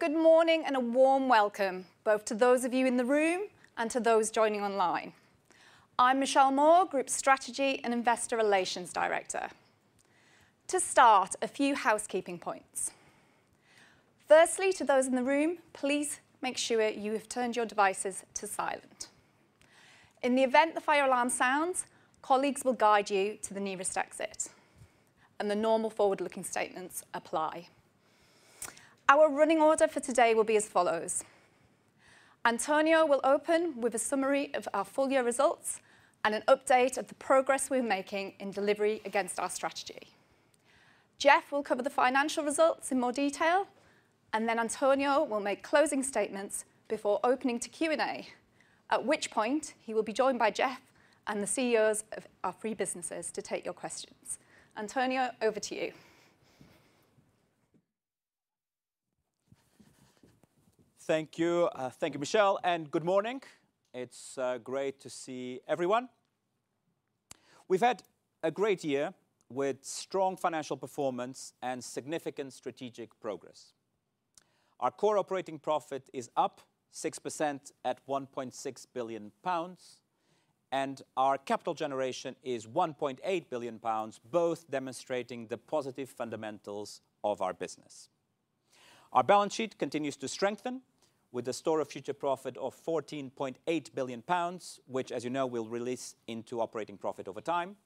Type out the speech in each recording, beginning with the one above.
Good morning and a warm welcome, both to those of you in the room and to those joining online. I'm Michelle Moore, Group Strategy and Investor Relations Director. To start, a few housekeeping points. Firstly, to those in the room, please make sure you have turned your devices to silent. In the event the fire alarm sounds, colleagues will guide you to the nearest exit, and the normal forward-looking statements apply. Our running order for today will be as follows. António will open with a summary of our full year results and an update of the progress we're making in delivery against our strategy. Jeff will cover the financial results in more detail, and then António will make closing statements before opening to Q&A, at which point he will be joined by Jeff and the CEOs of our three businesses to take your questions. António, over to you. Thank you. Thank you, Michelle, and good morning. It's great to see everyone. We've had a great year with strong financial performance and significant strategic progress. Our core operating profit is up 6% at 1.6 billion pounds, and our capital generation is 1.8 billion pounds, both demonstrating the positive fundamentals of our business. Our balance sheet continues to strengthen, with a store of future profit of 14.8 billion pounds, which, as you know, we'll release into operating profit over time.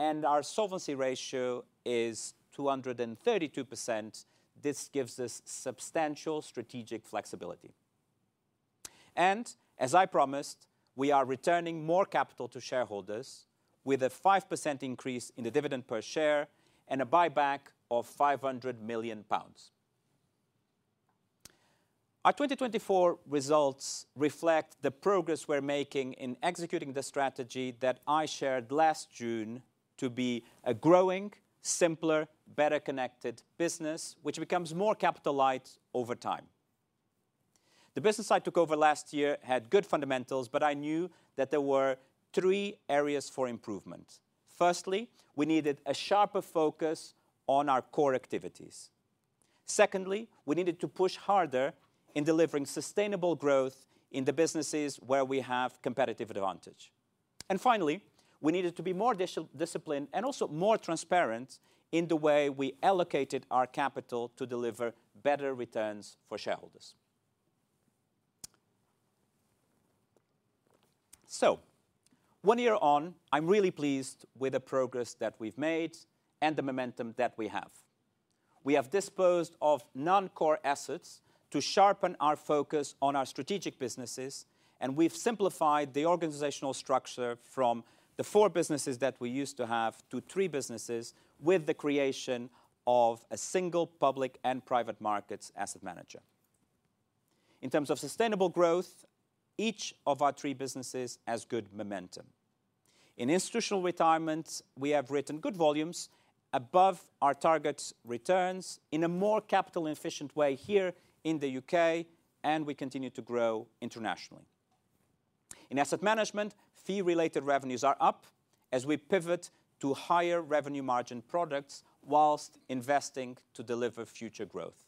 Our Solvency ratio is 232%. This gives us substantial strategic flexibility. As I promised, we are returning more capital to shareholders, with a 5% increase in the dividend per share and a buyback of 500 million pounds. Our 2024 results reflect the progress we're making in executing the strategy that I shared last June to be a growing, simpler, better-connected business, which becomes more capital-light over time. The business I took over last year had good fundamentals, but I knew that there were three areas for improvement. Firstly, we needed a sharper focus on our core activities. Secondly, we needed to push harder in delivering sustainable growth in the businesses where we have competitive advantage. Finally, we needed to be more disciplined and also more transparent in the way we allocated our capital to deliver better returns for shareholders. One year on, I'm really pleased with the progress that we've made and the momentum that we have. We have disposed of non-core assets to sharpen our focus on our strategic businesses, and we've simplified the organizational structure from the four businesses that we used to have to three businesses with the creation of a single public and private markets asset manager. In terms of sustainable growth, each of our three businesses has good momentum. In Institutional Retirements, we have written good volumes above our target returns in a more capital-efficient way here in the U.K., and we continue to grow internationally. In Asset Management, fee-related revenues are up as we pivot to higher revenue margin products whilst investing to deliver future growth.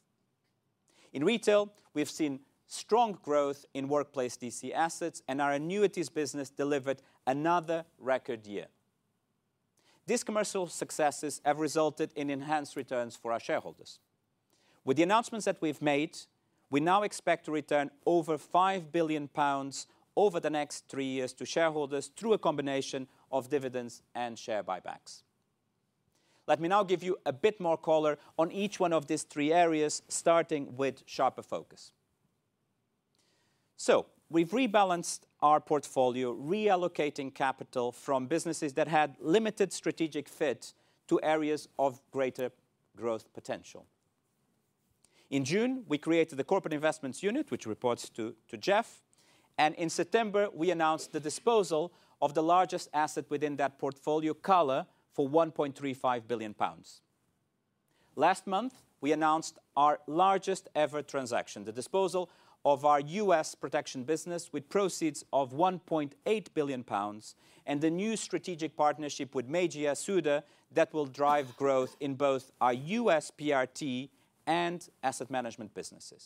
In Retail, we've seen strong growth in workplace DC assets, and our annuities business delivered another record year. These commercial successes have resulted in enhanced returns for our shareholders. With the announcements that we've made, we now expect to return over 5 billion pounds over the next three years to shareholders through a combination of dividends and share buybacks. Let me now give you a bit more color on each one of these three areas, starting with sharper focus. We've rebalanced our portfolio, reallocating capital from businesses that had limited strategic fit to areas of greater growth potential. In June, we created the Corporate Investments Unit, which reports to Jeff, and in September, we announced the disposal of the largest asset within that portfolio, CALA, for 1.35 billion pounds. Last month, we announced our largest ever transaction, the disposal of our U.S. Protection business with proceeds of 1.8 billion pounds and the new strategic partnership with Meiji Yasuda that will drive growth in both our U.S. PRT and Asset Management businesses.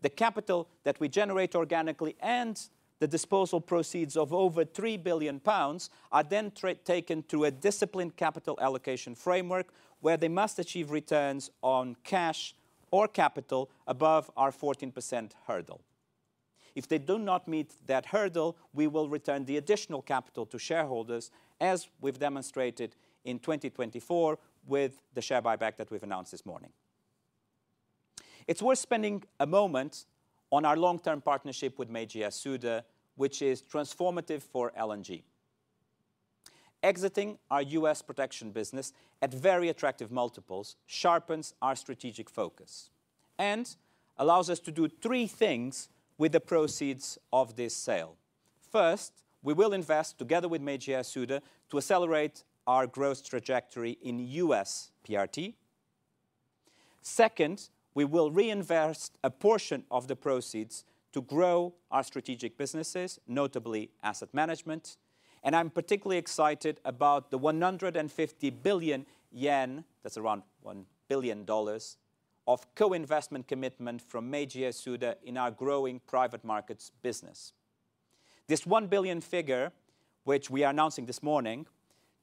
The capital that we generate organically and the disposal proceeds of over 3 billion pounds are then taken to a disciplined capital allocation framework where they must achieve returns on cash or capital above our 14% hurdle. If they do not meet that hurdle, we will return the additional capital to shareholders, as we've demonstrated in 2024 with the share buyback that we've announced this morning. It's worth spending a moment on our long-term partnership with Meiji Yasuda, which is transformative for L&G. Exiting our U.S. Protection business at very attractive multiples sharpens our strategic focus and allows us to do three things with the proceeds of this sale. First, we will invest together with Meiji Yasuda to accelerate our growth trajectory in U.S. PRT. Second, we will reinvest a portion of the proceeds to grow our strategic businesses, notably Asset Management. I'm particularly excited about the 150 billion yen, that's around $1 billion, of co-investment commitment from Meiji Yasuda in our growing private markets business. This $1 billion figure, which we are announcing this morning,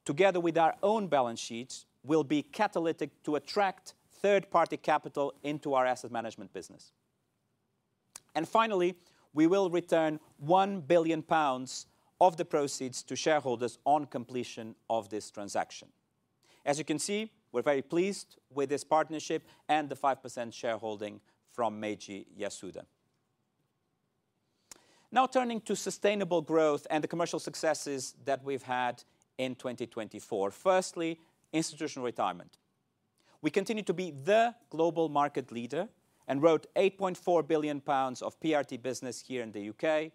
together with our own balance sheets, will be catalytic to attract third-party capital into our Asset Management business. Finally, we will return 1 billion pounds of the proceeds to shareholders on completion of this transaction. As you can see, we're very pleased with this partnership and the 5% shareholding from Meiji Yasuda. Now turning to sustainable growth and the commercial successes that we've had in 2024. Firstly, Institutional Retirement. We continue to be the global market leader and wrote 8.4 billion pounds of PRT business here in the U.K.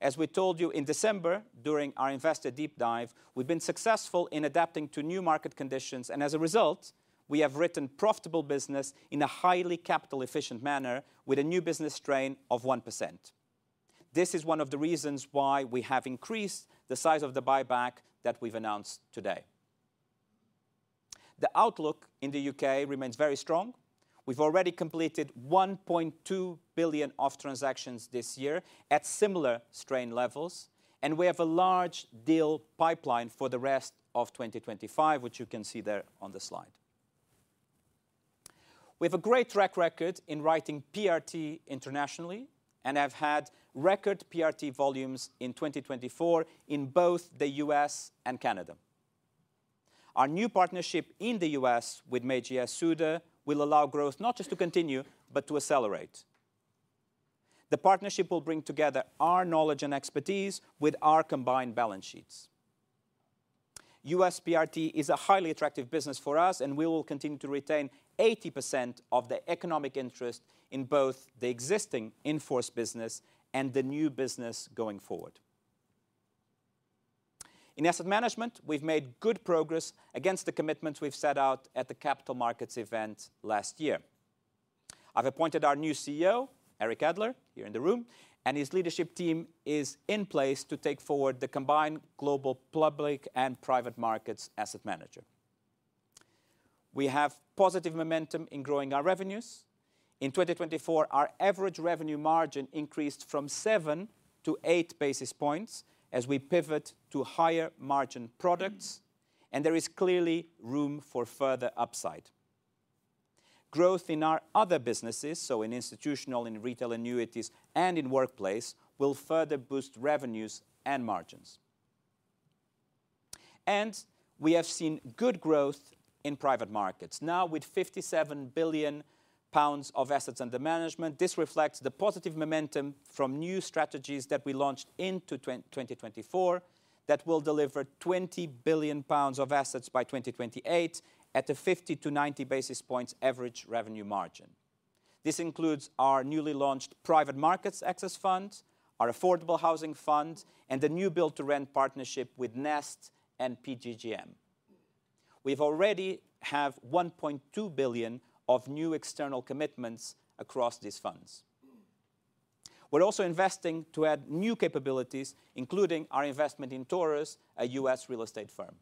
As we told you in December during our investor deep dive, we've been successful in adapting to new market conditions, and as a result, we have written profitable business in a highly capital-efficient manner with a new business strain of 1%. This is one of the reasons why we have increased the size of the buyback that we've announced today. The outlook in the U.K. remains very strong. We've already completed 1.2 billion of transactions this year at similar strain levels, and we have a large deal pipeline for the rest of 2025, which you can see there on the slide. We have a great track record in writing PRT internationally, and have had record PRT volumes in 2024 in both the U.S. and Canada. Our new partnership in the U.S. with Meiji Yasuda will allow growth not just to continue, but to accelerate. The partnership will bring together our knowledge and expertise with our combined balance sheets. U.S. PRT is a highly attractive business for us, and we will continue to retain 80% of the economic interest in both the existing in-force business and the new business going forward. In Asset Management, we've made good progress against the commitments we've set out at the Capital Markets event last year. I've appointed our new CEO, Eric Adler, here in the room, and his leadership team is in place to take forward the combined global public and private markets asset manager. We have positive momentum in growing our revenues. In 2024, our average revenue margin increased from seven to eight basis points as we pivot to higher margin products, and there is clearly room for further upside. Growth in our other businesses, so in Institutional, in Retail Annuities, and in workplace, will further boost revenues and margins. We have seen good growth in private markets. Now, with 57 billion pounds of assets under management, this reflects the positive momentum from new strategies that we launched into 2024 that will deliver 20 billion pounds of assets by 2028 at a 50-90 basis points average revenue margin. This includes our newly launched Private Markets Access Fund, our Affordable Housing Fund, and the new Build to Rent partnership with Nest and PGGM. We already have 1.2 billion of new external commitments across these funds. We are also investing to add new capabilities, including our investment in Taurus, a U.S. real estate firm.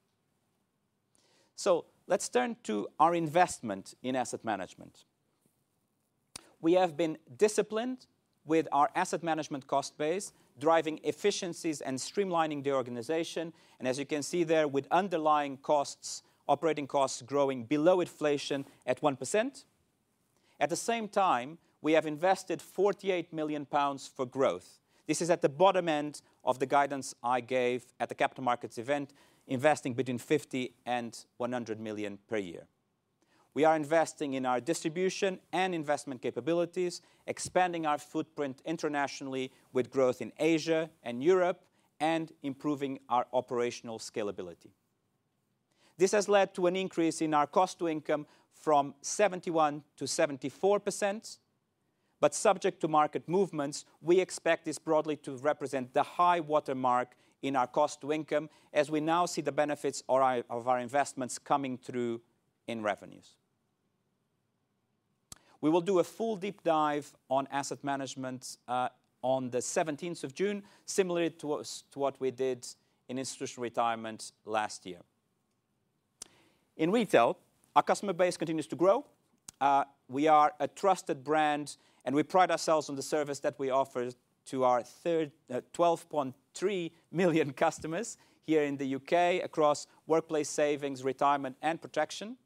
Let us turn to our investment in Asset Management. We have been disciplined with our Asset Management cost base, driving efficiencies and streamlining the organization. As you can see there, with underlying costs, operating costs growing below inflation at 1%. At the same time, we have invested 48 million pounds for growth. This is at the bottom end of the guidance I gave at the Capital Markets event, investing between 50 million-100 million per year. We are investing in our distribution and investment capabilities, expanding our footprint internationally with growth in Asia and Europe, and improving our operational scalability. This has led to an increase in our cost to income from 71%-74%, but subject to market movements, we expect this broadly to represent the high watermark in our cost to income, as we now see the benefits of our investments coming through in revenues. We will do a full deep dive on Asset Management on the 17th of June, similar to what we did in Institutional Retirement last year. In Retail, our customer base continues to grow. We are a trusted brand, and we pride ourselves on the service that we offer to our 12.3 million customers here in the U.K. across workplace savings, retirement, and protection.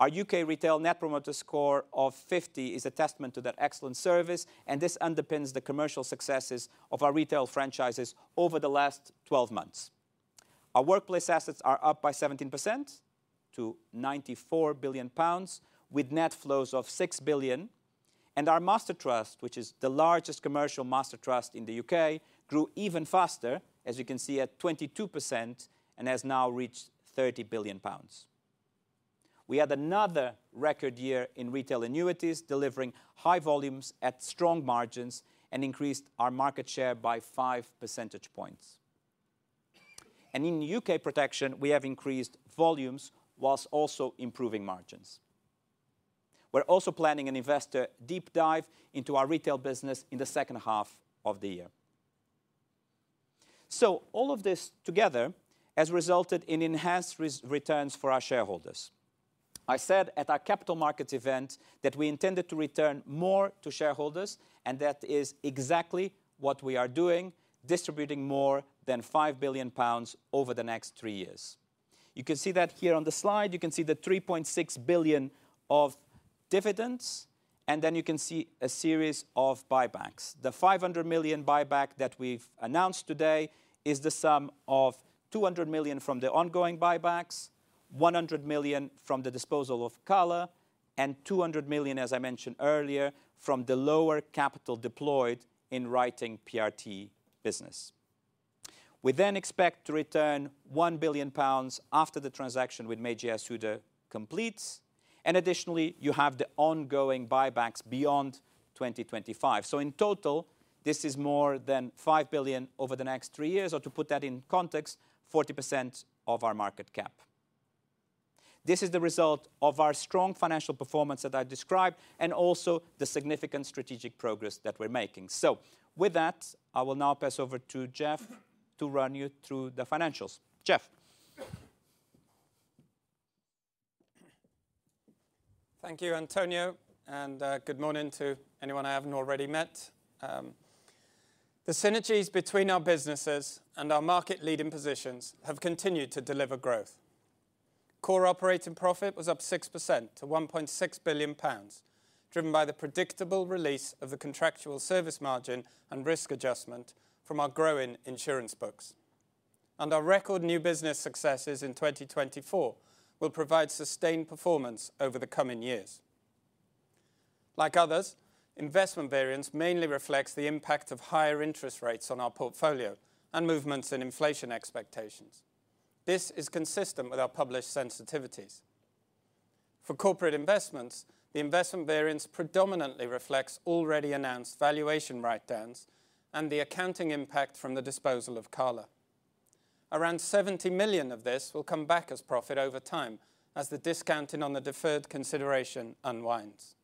Our U.K. Retail Net Promoter Score of 50 is a testament to that excellent service, and this underpins the commercial successes of our Retail franchises over the last 12 months. Our workplace assets are up by 17% to 94 billion pounds, with net flows of 6 billion, and our Mastertrust, which is the largest commercial Mastertrust in the U.K., grew even faster, as you can see, at 22% and has now reached 30 billion pounds. We had another record year in Retail Annuities, delivering high volumes at strong margins and increased our market share by five percentage points. In U.K. protection, we have increased volumes whilst also improving margins. We are also planning an investor deep dive into our Retail business in the second half of the year. All of this together has resulted in enhanced returns for our shareholders. I said at our Capital Markets event that we intended to return more to shareholders, and that is exactly what we are doing, distributing more than 5 billion pounds over the next three years. You can see that here on the slide. You can see the 3.6 billion of dividends, and then you can see a series of buybacks. The 500 million buyback that we've announced today is the sum of 200 million from the ongoing buybacks, 100 million from the disposal of CALA, and 200 million, as I mentioned earlier, from the lower capital deployed in writing PRT business. We expect to return 1 billion pounds after the transaction with Meiji Yasuda completes, and additionally, you have the ongoing buybacks beyond 2025. In total, this is more than 5 billion over the next three years, or to put that in context, 40% of our market cap. This is the result of our strong financial performance that I described and also the significant strategic progress that we're making. With that, I will now pass over to Jeff to run you through the financials. Jeff. Thank you, António, and good morning to anyone I haven't already met. The synergies between our businesses and our market leading positions have continued to deliver growth. Core operating profit was up 6% to 1.6 billion pounds, driven by the predictable release of the contractual service margin and risk adjustment from our growing insurance books. Our record new business successes in 2024 will provide sustained performance over the coming years. Like others, investment variance mainly reflects the impact of higher interest rates on our portfolio and movements in inflation expectations. This is consistent with our published sensitivities. For corporate investments, the investment variance predominantly reflects already announced valuation write-downs and the accounting impact from the disposal of CALA. Around 70 million of this will come back as profit over time as the discounting on the deferred consideration unwinds.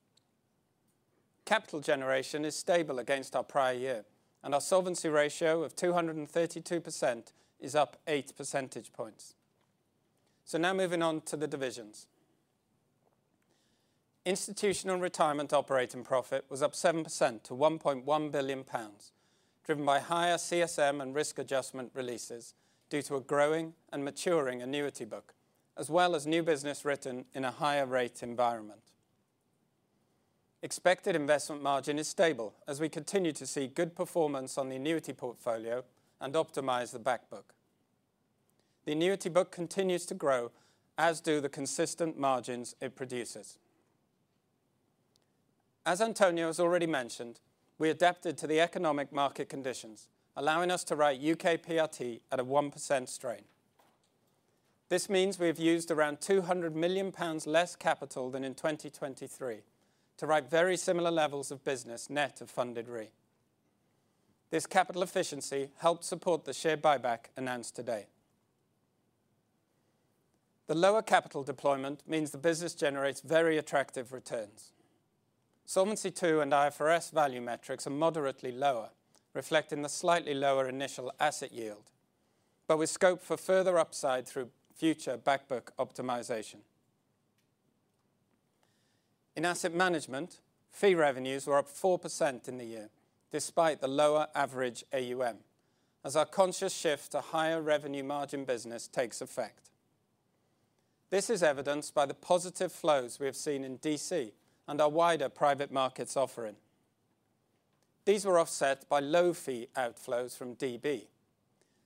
Capital generation is stable against our prior year, and our Solvency ratio of 232% is up 8 percentage points. Now moving on to the divisions. Institutional Retirement operating profit was up 7% to 1.1 billion pounds, driven by higher CSM and risk adjustment releases due to a growing and maturing annuity book, as well as new business written in a higher rate environment. Expected investment margin is stable as we continue to see good performance on the annuity portfolio and optimize the back-book. The annuity book continues to grow, as do the consistent margins it produces. As António has already mentioned, we adapted to the economic market conditions, allowing us to write U.K. PRT at a 1% strain. This means we have used around 200 million pounds less capital than in 2023 to write very similar levels of business net of funded re. This capital efficiency helped support the share buyback announced today. The lower capital deployment means the business generates very attractive returns. Solvency II and IFRS value metrics are moderately lower, reflecting the slightly lower initial asset yield, but with scope for further upside through future back-book optimization. In Asset Management, fee revenues were up 4% in the year, despite the lower average AUM, as our conscious shift to higher revenue margin business takes effect. This is evidenced by the positive flows we have seen in DC and our wider private markets offering. These were offset by low fee outflows from DB.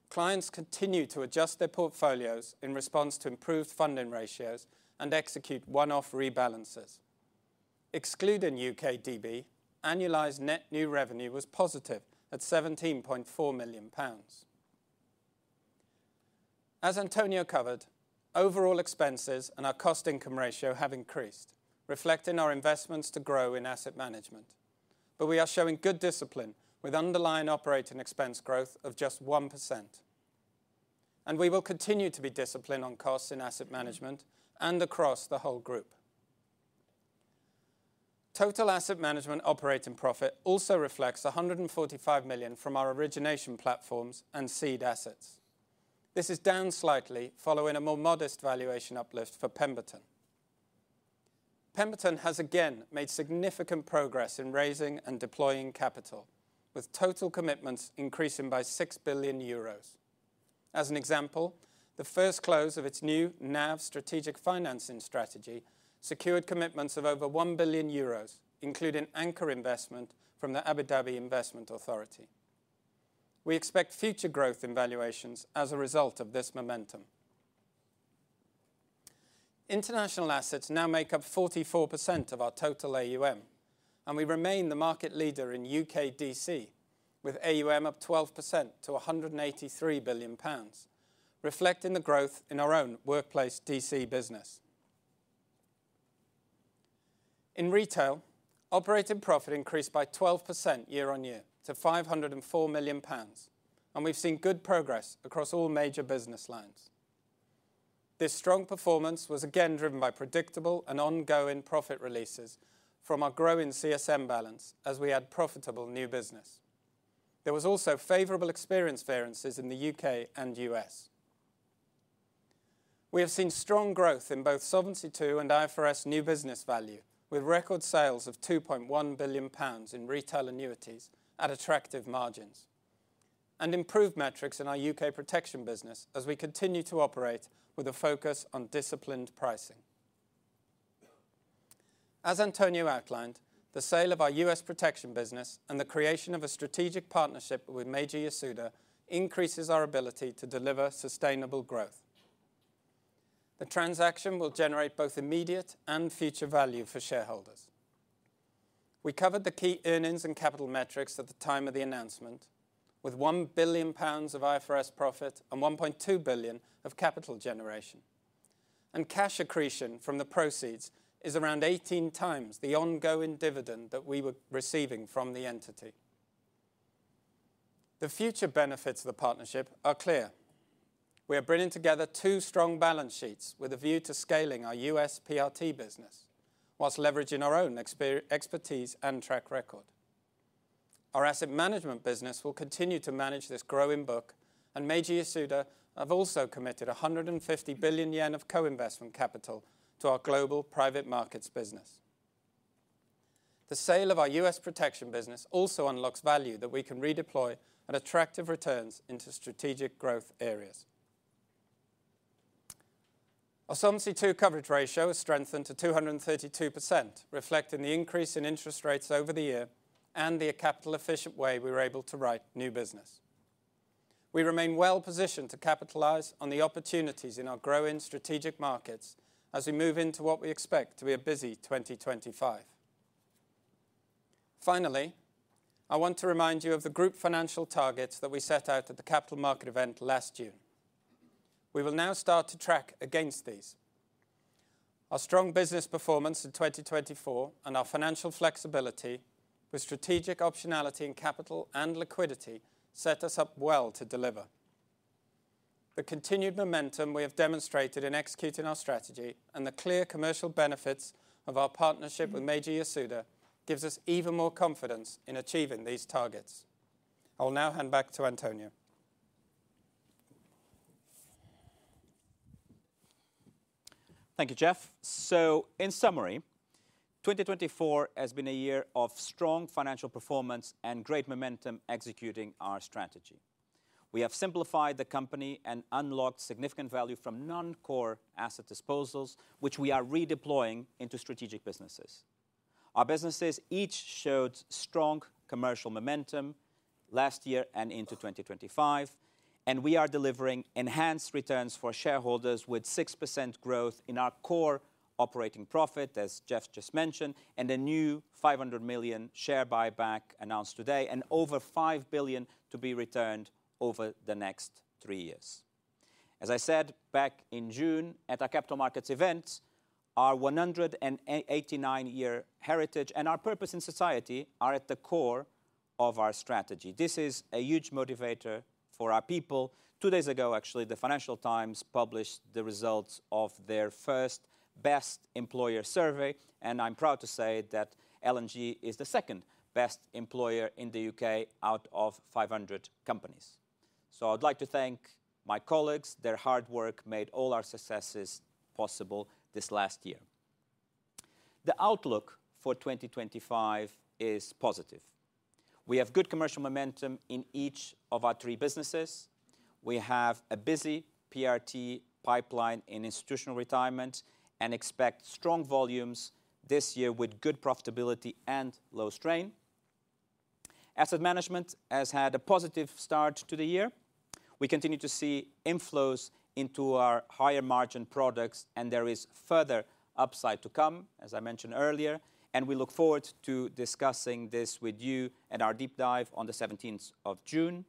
Clients continue to adjust their portfolios in response to improved funding ratios and execute one-off rebalances. Excluding U.K. DB, annualized net new revenue was positive at 17.4 million pounds. As António covered, overall expenses and our cost to income ratio have increased, reflecting our investments to grow in Asset Management, but we are showing good discipline with underlying operating expense growth of just 1%. We will continue to be disciplined on costs in Asset Management and across the whole group. Total Asset Management operating profit also reflects 145 million from our origination platforms and seed assets. This is down slightly following a more modest valuation uplift for Pemberton. Pemberton has again made significant progress in raising and deploying capital, with total commitments increasing by 6 billion euros. As an example, the first close of its new NAV Strategic Financing strategy secured commitments of over 1 billion euros, including anchor investment from the Abu Dhabi Investment Authority. We expect future growth in valuations as a result of this momentum. International assets now make up 44% of our total AUM, and we remain the market leader in U.K. DC, with AUM up 12% to 183 billion pounds, reflecting the growth in our own workplace DC business. In Retail, operating profit increased by 12% year on year to 504 million pounds, and we've seen good progress across all major business lines. This strong performance was again driven by predictable and ongoing profit releases from our growing CSM balance as we had profitable new business. There were also favorable experience variances in the U.K. and U.S. We have seen strong growth in both Solvency II and IFRS new business value, with record sales of 2.1 billion pounds in Retail annuities at attractive margins, and improved metrics in our U.K. Protection business as we continue to operate with a focus on disciplined pricing. As António outlined, the sale of our U.S. Protection business and the creation of a strategic partnership with Meiji Yasuda increases our ability to deliver sustainable growth. The transaction will generate both immediate and future value for shareholders. We covered the key earnings and capital metrics at the time of the announcement, with 1 billion pounds of IFRS profit and 1.2 billion of capital generation, and cash accretion from the proceeds is around 18 times the ongoing dividend that we were receiving from the entity. The future benefits of the partnership are clear. We are bringing together two strong balance sheets with a view to scaling our U.S. PRT business whilst leveraging our own expertise and track record. Our Asset Management business will continue to manage this growing book, and Meiji Yasuda have also committed 150 billion yen of co-investment capital to our global private markets business. The sale of our U.S. Protection business also unlocks value that we can redeploy at attractive returns into strategic growth areas. Our Solvency II coverage ratio has strengthened to 232%, reflecting the increase in interest rates over the year and the capital efficient way we were able to write new business. We remain well positioned to capitalise on the opportunities in our growing strategic markets as we move into what we expect to be a busy 2025. Finally, I want to remind you of the group financial targets that we set out at the Capital Markets event last June. We will now start to track against these. Our strong business performance in 2024 and our financial flexibility with strategic optionality in capital and liquidity set us up well to deliver. The continued momentum we have demonstrated in executing our strategy and the clear commercial benefits of our partnership with Meiji Yasuda gives us even more confidence in achieving these targets. I will now hand back to António. Thank you, Jeff. In summary, 2024 has been a year of strong financial performance and great momentum executing our strategy. We have simplified the company and unlocked significant value from non-core asset disposals, which we are redeploying into strategic businesses. Our businesses each showed strong commercial momentum last year and into 2025, and we are delivering enhanced returns for shareholders with 6% growth in our core operating profit, as Jeff just mentioned, and a new 500 million share buyback announced today and over 5 billion to be returned over the next three years. As I said back in June at our Capital Markets event, our 189-year heritage and our purpose in society are at the core of our strategy. This is a huge motivator for our people. Two days ago, actually, the Financial Times published the results of their first best employer survey, and I'm proud to say that L&G is the second Best Employer in the U.K. out of 500 companies. I would like to thank my colleagues. Their hard work made all our successes possible this last year. The outlook for 2025 is positive. We have good commercial momentum in each of our three businesses. We have a busy PRT pipeline in Institutional Retirement and expect strong volumes this year with good profitability and low strain. Asset Management has had a positive start to the year. We continue to see inflows into our higher margin products, and there is further upside to come, as I mentioned earlier, and we look forward to discussing this with you at our deep dive on the 17th of June.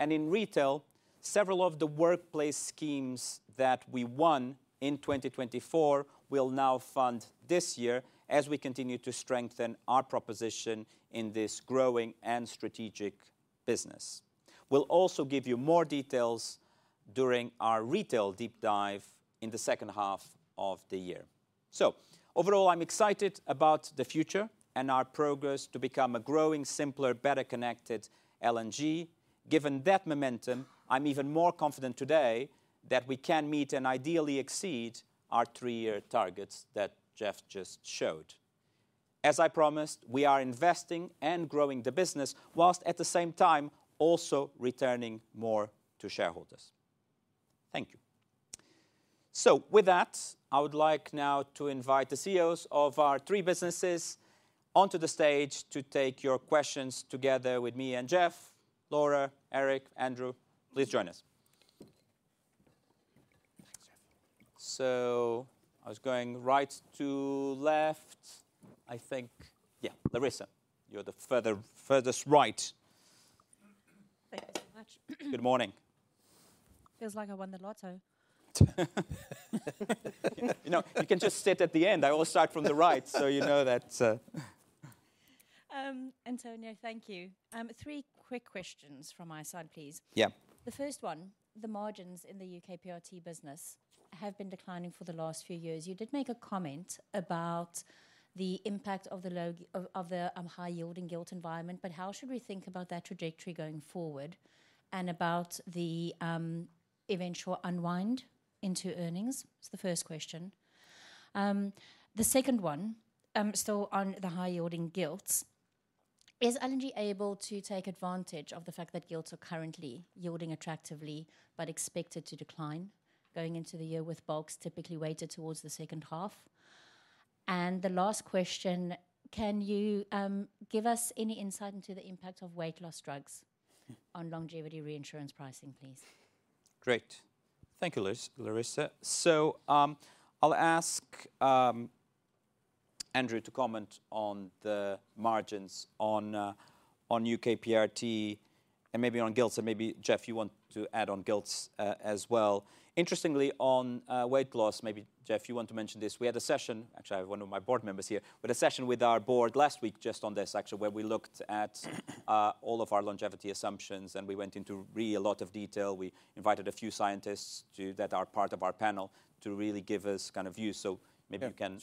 In Retail, several of the workplace schemes that we won in 2024 will now fund this year as we continue to strengthen our proposition in this growing and strategic business. We will also give you more details during our Retail deep dive in the second half of the year. Overall, I am excited about the future and our progress to become a growing, simpler, better connected L&G. Given that momentum, I'm even more confident today that we can meet and ideally exceed our three-year targets that Jeff just showed. As I promised, we are investing and growing the business whilst, at the same time, also returning more to shareholders. Thank you. With that, I would like now to invite the CEOs of our three businesses onto the stage to take your questions together with me and Jeff, Laura, Eric, Andrew. Please join us. I was going right to left. I think, yeah, Larissa, you're the furthest right. Thank you so much. Good morning. Feels like I won the lotto. You can just sit at the end. I always start from the right, so you know that. António, thank you. Three quick questions from my side, please. Yeah. The first one, the margins in the U.K. PRT business have been declining for the last few years. You did make a comment about the impact of the high yield and gilt environment, but how should we think about that trajectory going forward and about the eventual unwind into earnings? It's the first question. The second one, still on the high yielding gilts, is L&G able to take advantage of the fact that gilts are currently yielding attractively but expected to decline going into the year with bulks typically weighted towards the second half? The last question, can you give us any insight into the impact of weight loss drugs on longevity reinsurance pricing, please? Great. Thank you, Larissa. I'll ask Andrew to comment on the margins on U.K. PRT and maybe on gilts. Jeff, you want to add on gilts as well. Interestingly, on weight loss, maybe, Jeff, you want to mention this. We had a session, actually, I have one of my board members here, but a session with our board last week just on this, actually, where we looked at all of our longevity assumptions and we went into really a lot of detail. We invited a few scientists that are part of our panel to really give us kind of views. Maybe you can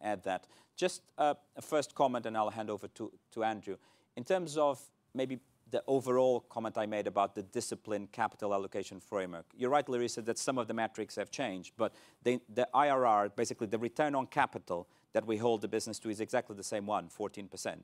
add that. Just a first comment, and I'll hand over to Andrew in terms of maybe the overall comment I made about the discipline capital allocation framework. You're right, Larissa, that some of the metrics have changed, but the IRR, basically the return on capital that we hold the business to, is exactly the same one, 14%.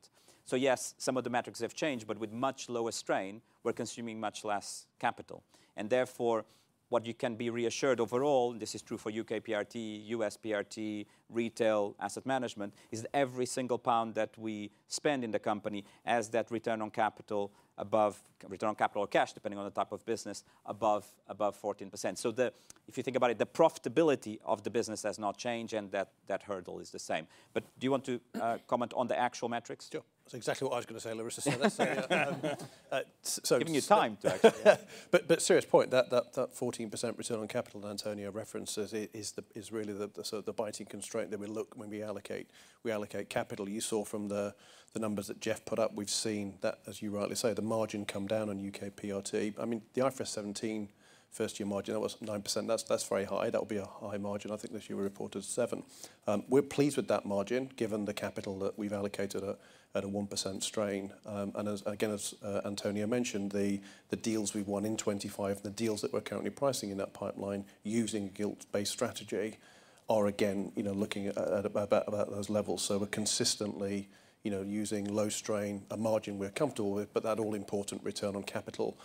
Yes, some of the metrics have changed, but with much lower strain, we're consuming much less capital. Therefore, what you can be reassured overall, and this is true for U.K. PRT, U.S. PRT, Retail, Asset Management, is that every single pound that we spend in the company has that return on capital above return on capital or cash, depending on the type of business, above 14%. If you think about it, the profitability of the business has not changed and that hurdle is the same. Do you want to comment on the actual metrics? Sure. That is exactly what I was going to say, Larissa. Giving you time to actually. Serious point, that 14% return on capital that António references is really the sort of the biting constraint that we look when we allocate capital. You saw from the numbers that Jeff put up, we have seen that, as you rightly say, the margin come down on U.K. PRT. I mean, the IFRS 17 first year margin, that was 9%. That's very high. That would be a high margin. I think this year we reported 7%. We're pleased with that margin given the capital that we've allocated at a 1% strain. Again, as António mentioned, the deals we've won in 2025 and the deals that we're currently pricing in that pipeline using a gilt-based strategy are again, you know, looking at about those levels. We're consistently, you know, using low strain, a margin we're comfortable with, but that all-important return on capital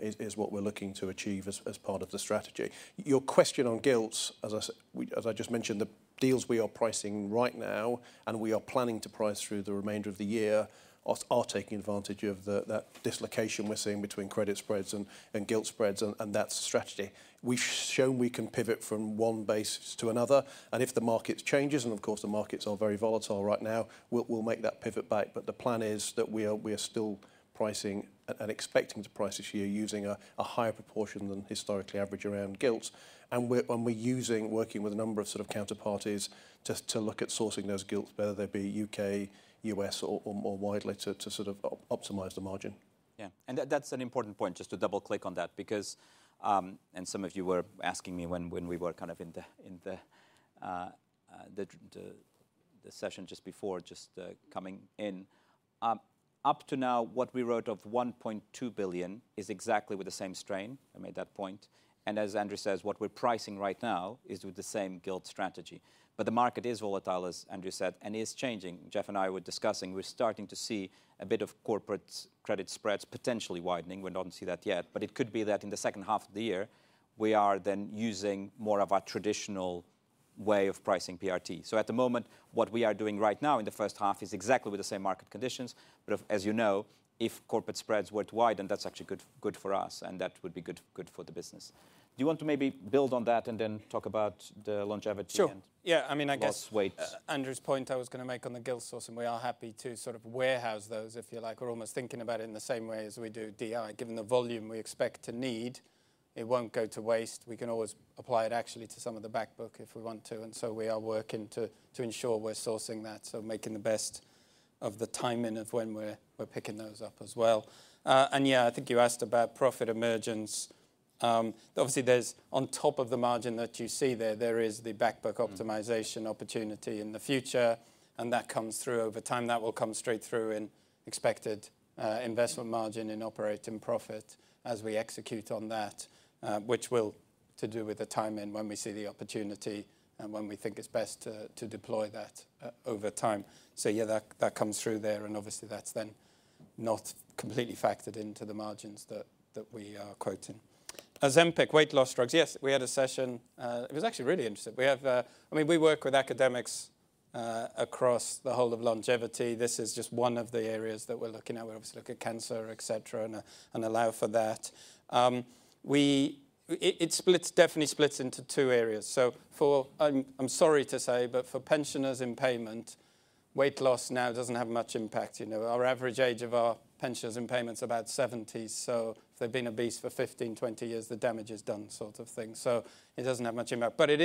is what we're looking to achieve as part of the strategy. Your question on gilts, as I just mentioned, the deals we are pricing right now and we are planning to price through the remainder of the year are taking advantage of that dislocation we're seeing between credit spreads and gilt spreads and that strategy. We've shown we can pivot from one base to another, and if the market changes, of course, the markets are very volatile right now, we'll make that pivot back. The plan is that we are still pricing and expecting to price this year using a higher proportion than historically average around gilts. We're working with a number of counterparties to look at sourcing those gilts, whether they be U.K., U.S., or widely to optimize the margin. Yeah. That's an important point, just to double-click on that, because, and some of you were asking me when we were kind of in the session just before, just coming in. Up to now, what we wrote of 1.2 billion is exactly with the same strain. I made that point. As Andrew says, what we're pricing right now is with the same gilt strategy. The market is volatile, as Andrew said, and it is changing. Jeff and I were discussing, we're starting to see a bit of corporate credit spreads potentially widening. We do not see that yet, but it could be that in the second half of the year, we are then using more of our traditional way of pricing PRT. At the moment, what we are doing right now in the first half is exactly with the same market conditions. As you know, if corporate spreads were to widen, that is actually good for us, and that would be good for the business. Do you want to maybe build on that and then talk about the longevity and loss weight? Sure. Yeah. I mean, I guess Andrew's point I was going to make on the gilt sourcing, we are happy to sort of warehouse those, if you like. We're almost thinking about it in the same way as we do DI. Given the volume we expect to need, it won't go to waste. We can always apply it actually to some of the back-book if we want to. We are working to ensure we're sourcing that, making the best of the timing of when we're picking those up as well. I think you asked about profit emergence. Obviously, on top of the margin that you see there, there is the back-book optimization opportunity in the future, and that comes through over time. That will come straight through in expected investment margin in operating profit as we execute on that, which will have to do with the timing when we see the opportunity and when we think it's best to deploy that over time. Yeah, that comes through there, and obviously, that's then not completely factored into the margins that we are quoting. Ozempic weight loss drugs, yes, we had a session. It was actually really interesting. I mean, we work with academics across the whole of longevity. This is just one of the areas that we're looking at. We obviously look at cancer, etc., and allow for that. It definitely splits into two areas. I'm sorry to say, but for pensioners in payment, weight loss now doesn't have much impact. Our average age of our pensioners in payment is about 70. If they've been obese for 15-20 years, the damage is done sort of thing. It doesn't have much impact. It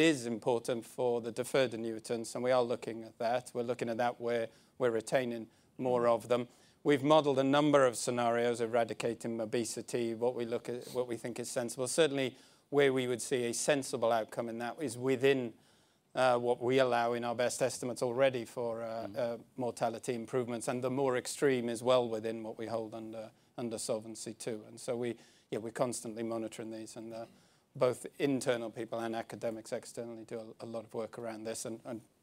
is important for the deferred annuitants, and we are looking at that. We're looking at that where we're retaining more of them. We've modelled a number of scenarios of eradicating obesity, what we think is sensible. Certainly, where we would see a sensible outcome in that is within what we allow in our best estimates already for mortality improvements. The more extreme is well within what we hold under Solvency II. We are constantly monitoring these, and both internal people and academics externally do a lot of work around this.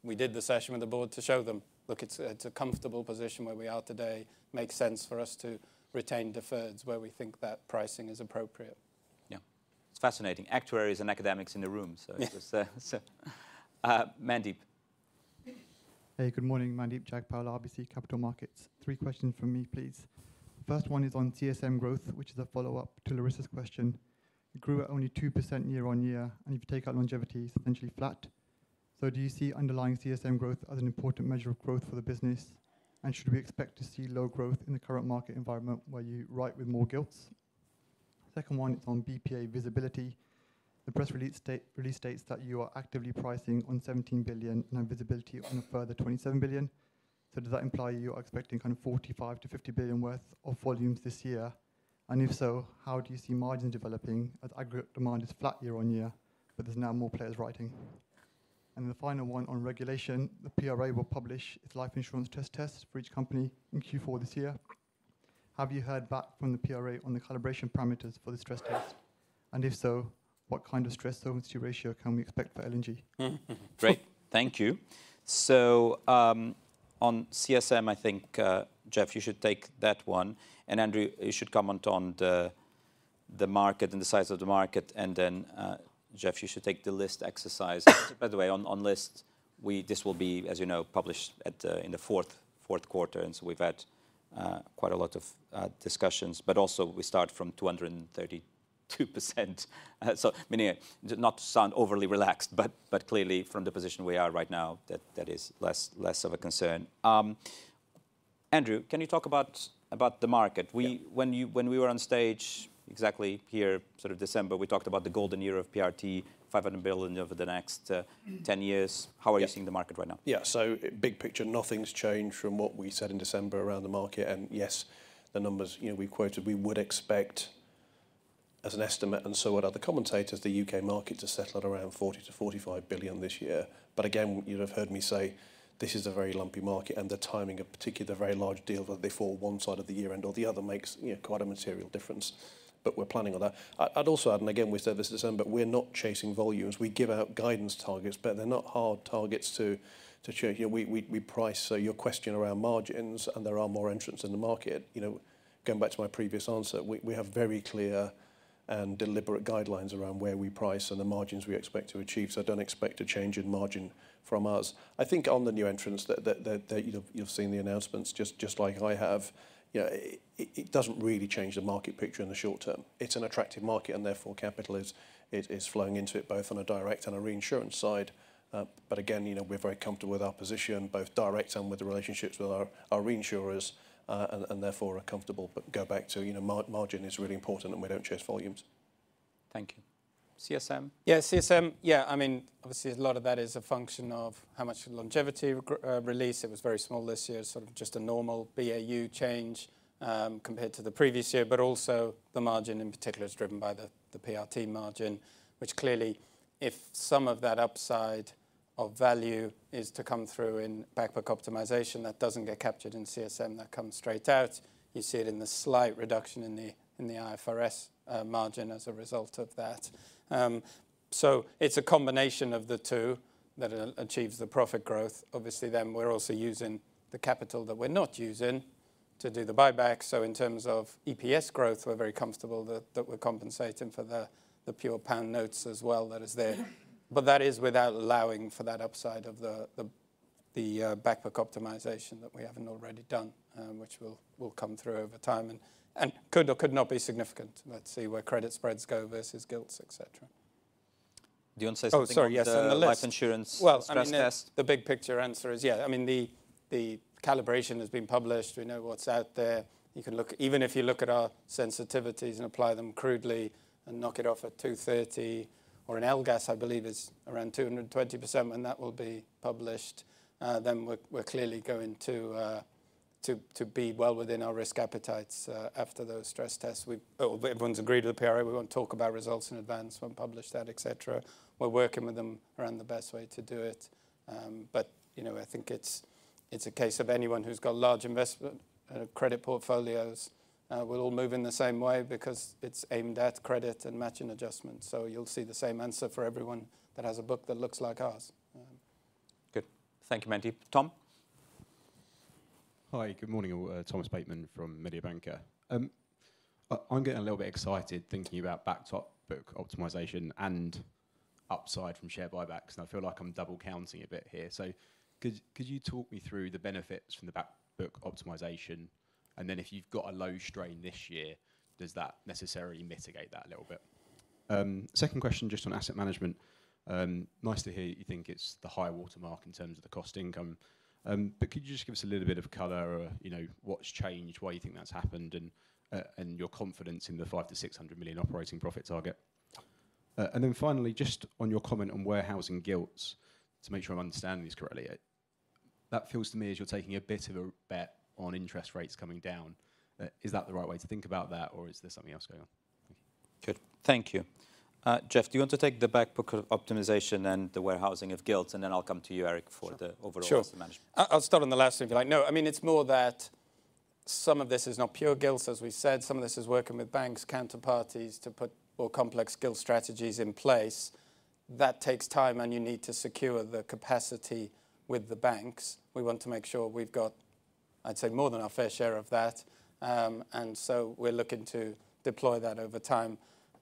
We did the session with the board to show them, look, it's a comfortable position where we are today. Makes sense for us to retain deferreds where we think that pricing is appropriate. Yeah. It's fascinating. Actuaries and academics in the room. Mandeep. Hey, good morning. Mandeep Jagpal, RBC Capital Markets. Three questions from me, please. First one is on CSM growth, which is a follow-up to Larissa's question. It grew at only 2% year on year, and if you take out longevity, it's essentially flat. Do you see underlying CSM growth as an important measure of growth for the business? Should we expect to see low growth in the current market environment where you write with more gilts? The second one is on BPA visibility. The press release states that you are actively pricing on 17 billion and visibility on a further 27 billion. Does that imply you are expecting kind of 45 billion-50 billion worth of volumes this year? If so, how do you see margins developing as aggregate demand is flat year on year, but there are now more players writing? The final one is on regulation. The PRA will publish its Life Insurance Stress Test for each company in Q4 this year. Have you heard back from the PRA on the calibration parameters for the stress test? If so, what kind of stress-to-efficacy ratio can we expect for L&G? Great. Thank you. On CSM, I think, Jeff, you should take that one. Andrew, you should comment on the market and the size of the market. Jeff, you should take the list exercise. By the way, on list, this will be, as you know, published in the fourth quarter. We have had quite a lot of discussions, but also we start from 232%. Meaning not to sound overly relaxed, but clearly from the position we are right now, that is less of a concern. Andrew, can you talk about the market? When we were on stage exactly here sort of December, we talked about the golden year of PRT, 500 billion over the next 10 years. How are you seeing the market right now? Yeah. Big picture, nothing's changed from what we said in December around the market. Yes, the numbers we quoted, we would expect as an estimate, and so would other commentators, the U.K. market to settle at around 40 billion-45 billion this year. Again, you've heard me say this is a very lumpy market, and the timing of particularly the very large deals, that they fall one side of the year end or the other, makes quite a material difference. We're planning on that. I'd also add, and again, we said this in December, we're not chasing volumes. We give out guidance targets, but they're not hard targets to chase. We price. Your question around margins, and there are more entrants in the market. Going back to my previous answer, we have very clear and deliberate guidelines around where we price and the margins we expect to achieve. I do not expect a change in margin from us. I think on the new entrants, you have seen the announcements, just like I have. It does not really change the market picture in the short term. It is an attractive market, and therefore capital is flowing into it both on a direct and a reinsurance side. Again, we are very comfortable with our position, both direct and with the relationships with our reinsurers, and therefore are comfortable. Go back to margin, it is really important, and we do not chase volumes. Thank you. CSM? Yeah, CSM. I mean, obviously, a lot of that is a function of how much longevity release. It was very small this year, sort of just a normal BAU change compared to the previous year. Also, the margin in particular is driven by the PRT margin, which clearly, if some of that upside of value is to come through in back-book optimization, that does not get captured in CSM, that comes straight out. You see it in the slight reduction in the IFRS margin as a result of that. It is a combination of the two that achieves the profit growth. Obviously, we are also using the capital that we are not using to do the buyback. In terms of EPS growth, we are very comfortable that we are compensating for the pure pound notes as well that is there. That is without allowing for that upside of the back-book optimization that we haven't already done, which will come through over time and could or could not be significant. Let's see where credit spreads go versus gilts, etc. Do you want to say something about Life Insurance? The big picture answer is, yeah, I mean, the calibration has been published. We know what's out there. You can look, even if you look at our sensitivities and apply them crudely and knock it off at 230, or an LGAS, I believe, is around 220%, and that will be published, then we're clearly going to be well within our risk appetites after those stress tests. Everyone's agreed with the PRA. We won't talk about results in advance when published that, etc. We're working with them around the best way to do it. I think it's a case of anyone who's got large investment credit portfolios will all move in the same way because it's aimed at credit and matching adjustments. You'll see the same answer for everyone that has a book that looks like ours. Good. Thank you, Mandeep. Tom? Hi, good morning. Thomas Bateman from Mediobanca. I'm getting a little bit excited thinking about back-book optimization and upside from share buybacks, and I feel like I'm double counting a bit here. Could you talk me through the benefits from the back-book optimization? If you've got a low strain this year, does that necessarily mitigate that a little bit? Second question, just on Asset Management. Nice to hear you think it's the high watermark in terms of the cost income. Could you just give us a little bit of color, what's changed, why you think that's happened, and your confidence in the 500 million-600 million operating profit target? Finally, just on your comment on warehousing gilts, to make sure I'm understanding this correctly, that feels to me as if you're taking a bit of a bet on interest rates coming down. Is that the right way to think about that, or is there something else going on? Good. Thank you. Jeff, do you want to take the back-book optimization and the warehousing of gilts, and then I'll come to you, Eric, for the overall Asset Management? Sure. I'll start on the last thing. No, I mean, it's more that some of this is not pure gilts, as we said. Some of this is working with banks, counterparties to put more complex gilt strategies in place. That takes time, and you need to secure the capacity with the banks. We want to make sure we've got, I'd say, more than our fair share of that. We are looking to deploy that over time.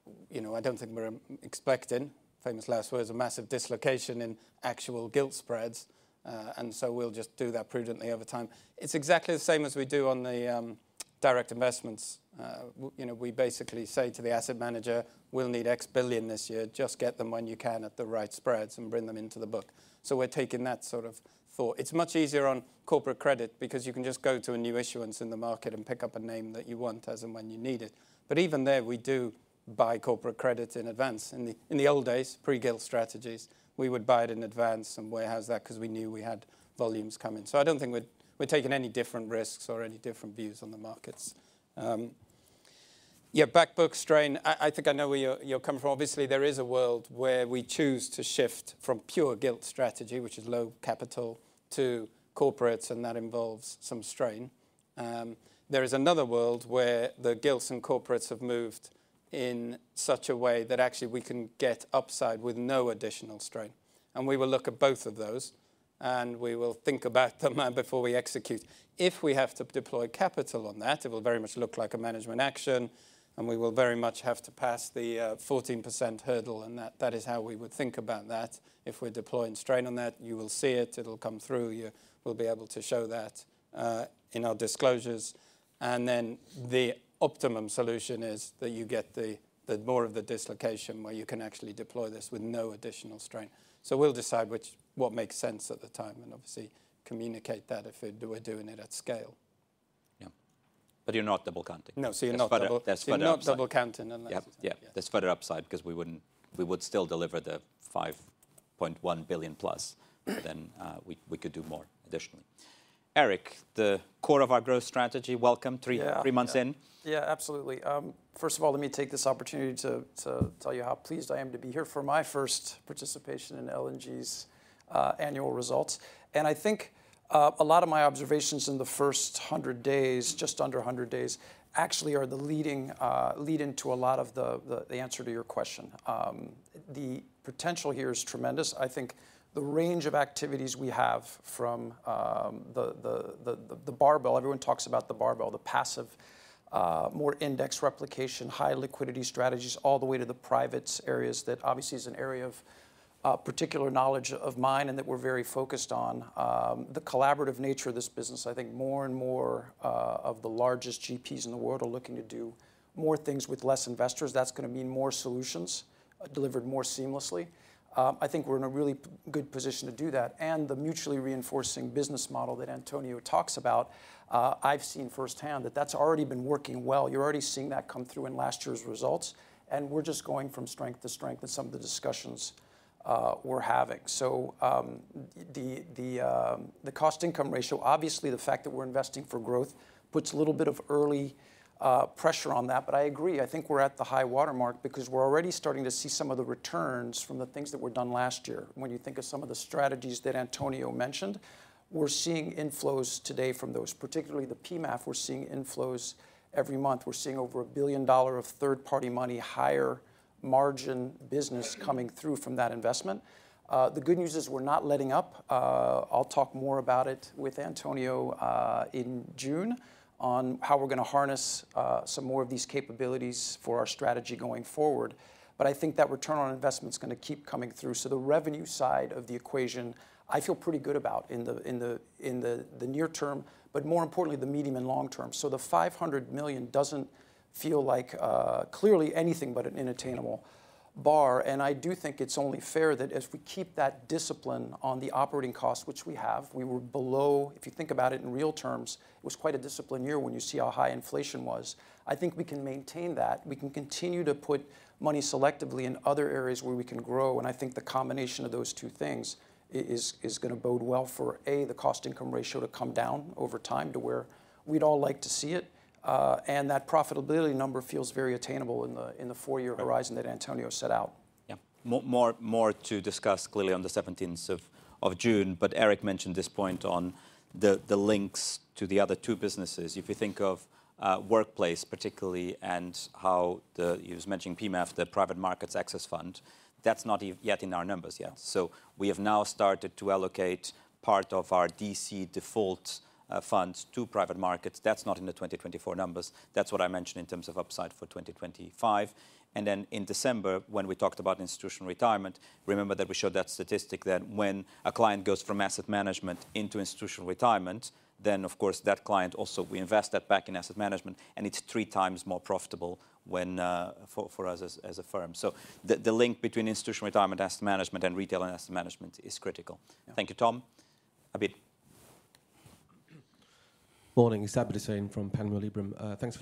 I do not think we are expecting, famous last words, a massive dislocation in actual gilt spreads. We will just do that prudently over time. It is exactly the same as we do on the direct investments. We basically say to the asset manager, we will need X billion this year. Just get them when you can at the right spreads and bring them into the book. We are taking that sort of thought. It is much easier on corporate credit because you can just go to a new issuance in the market and pick up a name that you want as and when you need it. Even there, we do buy corporate credit in advance. In the old days, pre-gilt strategies, we would buy it in advance and warehouse that because we knew we had volumes coming. I do not think we are taking any different risks or any different views on the markets. Yeah, back-book strain, I think I know where you are coming from. Obviously, there is a world where we choose to shift from pure gilt strategy, which is low capital, to corporates, and that involves some strain. There is another world where the gilts and corporates have moved in such a way that actually we can get upside with no additional strain. We will look at both of those, and we will think about them before we execute. If we have to deploy capital on that, it will very much look like a management action, and we will very much have to pass the 14% hurdle, and that is how we would think about that. If we're deploying strain on that, you will see it. It'll come through. You will be able to show that in our disclosures. The optimum solution is that you get more of the dislocation where you can actually deploy this with no additional strain. We will decide what makes sense at the time and obviously communicate that if we're doing it at scale. Yeah. But you're not double counting. No, so you're not double counting. You're not double counting unless. Yeah, just put it upside because we would still deliver the 5.1 billion plus, but then we could do more additionally. Eric, the core of our growth strategy, welcome three months in. Yeah, absolutely. First of all, let me take this opportunity to tell you how pleased I am to be here for my first participation in L&G's annual results. I think a lot of my observations in the first 100 days, just under 100 days, actually are the leading lead into a lot of the answer to your question. The potential here is tremendous. I think the range of activities we have from the barbell, everyone talks about the barbell, the passive, more index replication, high liquidity strategies, all the way to the private areas that obviously is an area of particular knowledge of mine and that we're very focused on. The collaborative nature of this business, I think more and more of the largest GPs in the world are looking to do more things with less investors. That's going to mean more solutions delivered more seamlessly. I think we're in a really good position to do that. The mutually reinforcing business model that António talks about, I've seen firsthand that that's already been working well. You're already seeing that come through in last year's results. We're just going from strength to strength in some of the discussions we're having. The cost-income ratio, obviously the fact that we're investing for growth puts a little bit of early pressure on that. I agree. I think we're at the high watermark because we're already starting to see some of the returns from the things that were done last year. When you think of some of the strategies that António mentioned, we're seeing inflows today from those, particularly the PMAF. We're seeing inflows every month. We're seeing over $1 billion of third-party money, higher margin business coming through from that investment. The good news is we're not letting up. I'll talk more about it with António in June on how we're going to harness some more of these capabilities for our strategy going forward. I think that return on investment is going to keep coming through. The revenue side of the equation, I feel pretty good about in the near term, but more importantly, the medium and long term. The 500 million does not feel like clearly anything but an unattainable bar. I do think it's only fair that as we keep that discipline on the operating cost, which we have, we were below, if you think about it in real terms, it was quite a disciplined year when you see how high inflation was. I think we can maintain that. We can continue to put money selectively in other areas where we can grow. I think the combination of those two things is going to bode well for, A, the cost-income ratio to come down over time to where we'd all like to see it. That profitability number feels very attainable in the four-year horizon that António set out. Yeah. More to discuss clearly on the 17th of June. Eric mentioned this point on the links to the other two businesses. If you think of Workplace, particularly, and how you were mentioning PMAF, the Private Markets Access Fund, that's not yet in our numbers yet. We have now started to allocate part of our DC default funds to private markets. That's not in the 2024 numbers. That's what I mentioned in terms of upside for 2025. In December, when we talked about Institutional Retirement, remember that we showed that statistic that when a client goes from Asset Management into Institutional Retirement, that client also, we invest that back in aAsset Management, and it is three times more profitable for us as a firm. The link between Institutional Retirement Asset Management and Retail Asset Management is critical. Thank you, Tom. Abid. Morning. It's Abid Hussain from Panmure Liberum. Thanks for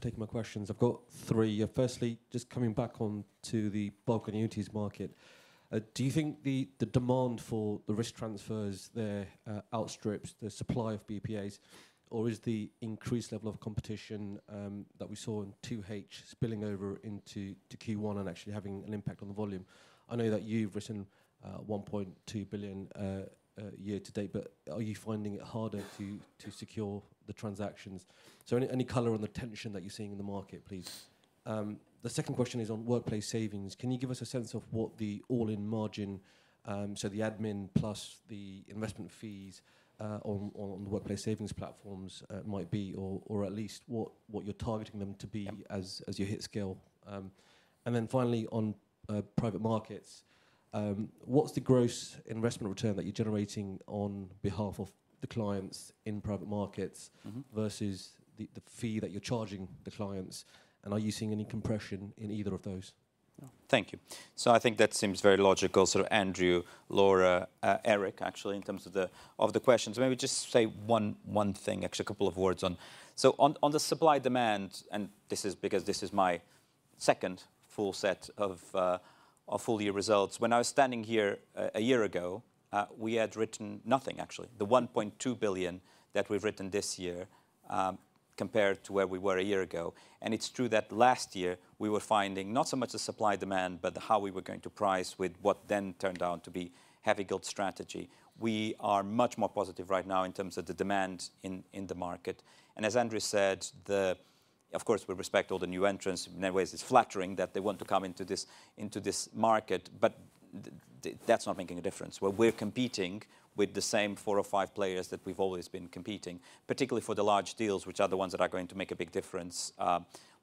taking my questions. I have three. Firstly, just coming back on to the bulk annuities market, do you think the demand for the risk transfers there outstrips the supply of BPAs, or is the increased level of competition that we saw in 2H spilling over into Q1 and actually having an impact on the volume? I know that you've written 1.2 billion year to date, but are you finding it harder to secure the transactions? Any color on the tension that you're seeing in the market, please? The second question is on workplace savings. Can you give us a sense of what the all-in margin, so the admin plus the investment fees on the workplace savings platforms might be, or at least what you're targeting them to be as you hit scale? Finally, on private markets, what's the gross investment return that you're generating on behalf of the clients in private markets versus the fee that you're charging the clients? Are you seeing any compression in either of those? Thank you. I think that seems very logical. Andrew, Laura, Eric, actually, in terms of the questions, maybe just say one thing, actually a couple of words on. On the supply demand, and this is because this is my second full set of full-year results, when I was standing here a year ago, we had written nothing, actually, the 1.2 billion that we've written this year compared to where we were a year ago. It's true that last year we were finding not so much the supply demand, but how we were going to price with what then turned out to be heavy gilt strategy. We are much more positive right now in terms of the demand in the market. As Andrew said, of course, we respect all the new entrants. In many ways, it's flattering that they want to come into this market, but that's not making a difference. We're competing with the same four or five players that we've always been competing, particularly for the large deals, which are the ones that are going to make a big difference.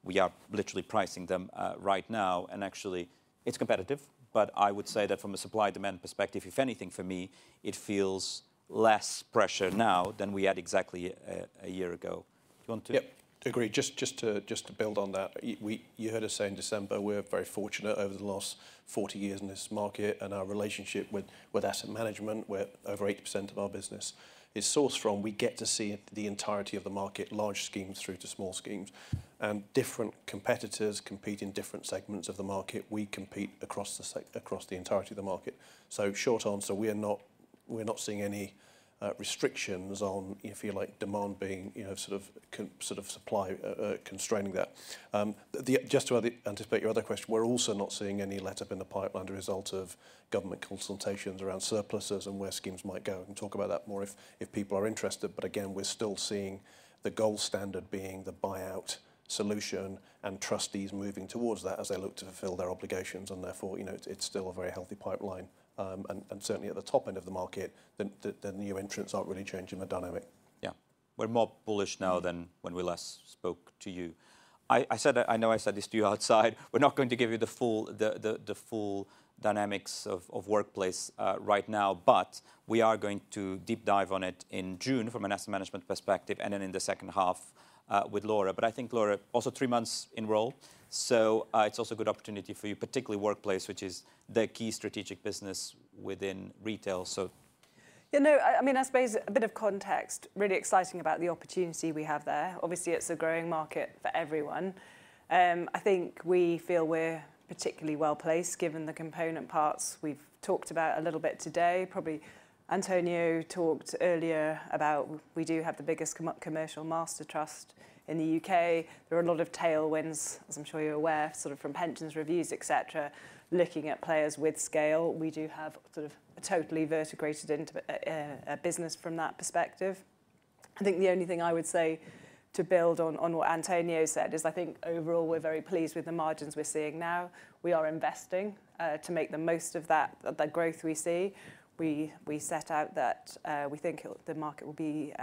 We are literally pricing them right now. Actually, it's competitive, but I would say that from a supply-demand perspective, if anything, for me, it feels less pressure now than we had exactly a year ago. Do you want to? Yeah, agree. Just to build on that, you heard us say in December, we're very fortunate over the last 40 years in this market and our relationship withAsset Management, where over 80% of our business is sourced from, we get to see the entirety of the market, large schemes through to small schemes. Different competitors compete in different segments of the market. We compete across the entirety of the market. Short answer, we're not seeing any restrictions on, if you like, demand being sort of supply constraining that. Just to anticipate your other question, we're also not seeing any let-up in the pipeline as a result of government consultations around surpluses and where schemes might go. We can talk about that more if people are interested. Again, we're still seeing the gold standard being the buyout solution and trustees moving towards that as they look to fulfill their obligations. Therefore, it's still a very healthy pipeline. Certainly at the top end of the market, the new entrants aren't really changing the dynamic. Yeah, we're more bullish now than when we last spoke to you. I know I said this to you outside. We're not going to give you the full dynamics of workplace right now, but we are going to deep dive on it in June from an Asset Management perspective and then in the second half with Laura. I think, Laura, also three months in role. It's also a good opportunity for you, particularly workplace, which is the key strategic business within Retail. Yeah, no, I mean, I suppose a bit of context, really exciting about the opportunity we have there. Obviously, it's a growing market for everyone. I think we feel we're particularly well placed given the component parts we've talked about a little bit today. Probably António talked earlier about we do have the biggest commercial Mastertrust in the U.K. There are a lot of tailwinds, as I'm sure you're aware, sort of from pensions reviews, etc., looking at players with scale. We do have sort of a totally vertically integrated business from that perspective. I think the only thing I would say to build on what António said is I think overall we're very pleased with the margins we're seeing now. We are investing to make the most of that growth we see. We set out that we think the market will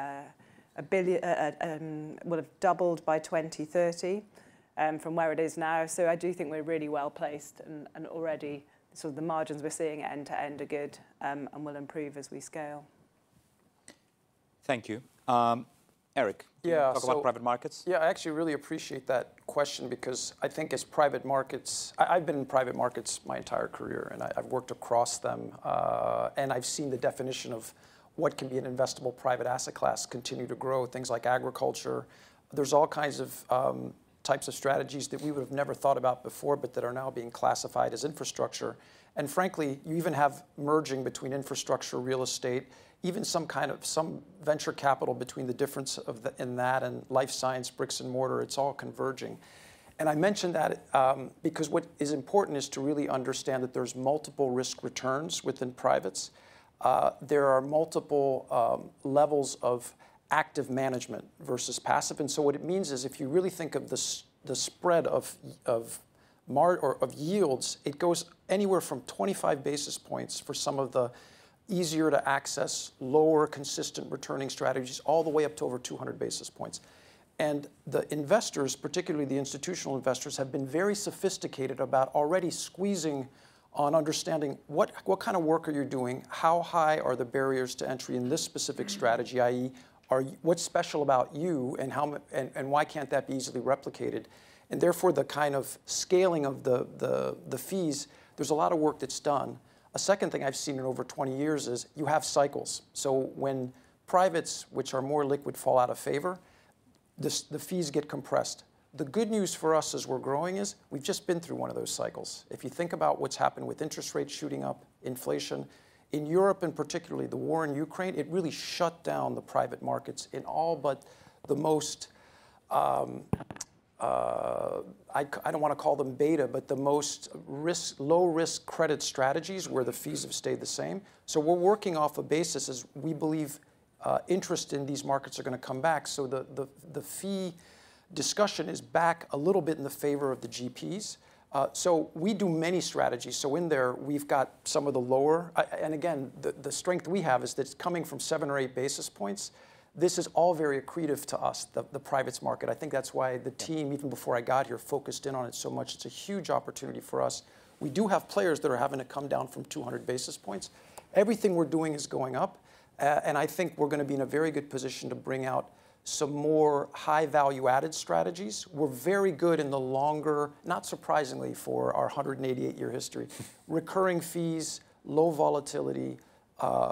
have doubled by 2030 from where it is now. I do think we're really well placed and already sort of the margins we're seeing end to end are good and will improve as we scale. Thank you. Eric, can you talk about Private Markets? Yeah, I actually really appreciate that question because I think as Private Markets, I've been in private markets my entire career and I've worked across them. I've seen the definition of what can be an investable private asset class continue to grow, things like agriculture. There are all kinds of types of strategies that we would have never thought about before, but that are now being classified as Infrastructure. Frankly, you even have merging between Infrastructure, Real Estate, even some kind of some venture capital between the difference in that and life science, bricks and mortar. It's all converging. I mention that because what is important is to really understand that there's multiple risk returns within privates. There are multiple levels of active management versus passive. What it means is if you really think of the spread of yields, it goes anywhere from 25 basis points for some of the easier to access, lower consistent returning strategies, all the way up to over 200 basis points. The investors, particularly the institutional investors, have been very sophisticated about already squeezing on understanding what kind of work are you doing, how high are the barriers to entry in this specific strategy, i.e., what's special about you and why can't that be easily replicated. Therefore, the kind of scaling of the fees, there's a lot of work that's done. A second thing I've seen in over 20 years is you have cycles. When privates, which are more liquid, fall out of favor, the fees get compressed. The good news for us as we're growing is we've just been through one of those cycles. If you think about what's happened with interest rates shooting up, inflation in Europe, and particularly the war in Ukraine, it really shut down the private markets in all but the most, I don't want to call them beta, but the most low-risk credit strategies where the fees have stayed the same. We are working off a basis as we believe interest in these markets are going to come back. The fee discussion is back a little bit in the favor of the GPs. We do many strategies. In there, we've got some of the lower. Again, the strength we have is that it's coming from seven or eight basis points. This is all very accretive to us, the private market. I think that's why the team, even before I got here, focused in on it so much. It's a huge opportunity for us. We do have players that are having to come down from 200 basis points. Everything we're doing is going up. I think we're going to be in a very good position to bring out some more high-value-added strategies. We're very good in the longer, not surprisingly for our 188-year history, recurring fees, low volatility,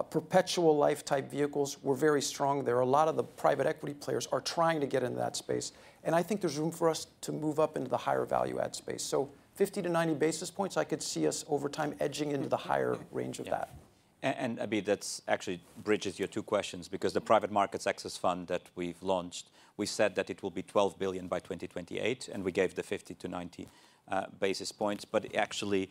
perpetual life type vehicles. We're very strong there. A lot of the private equity players are trying to get into that space. I think there's room for us to move up into the higher value-add space. 50-90 basis points, I could see us over time edging into the higher range of that. Abid, that actually bridges your two questions because the Private Markets Access Fund that we've launched, we said that it will be 12 billion by 2028, and we gave the 50-90 basis points. Actually,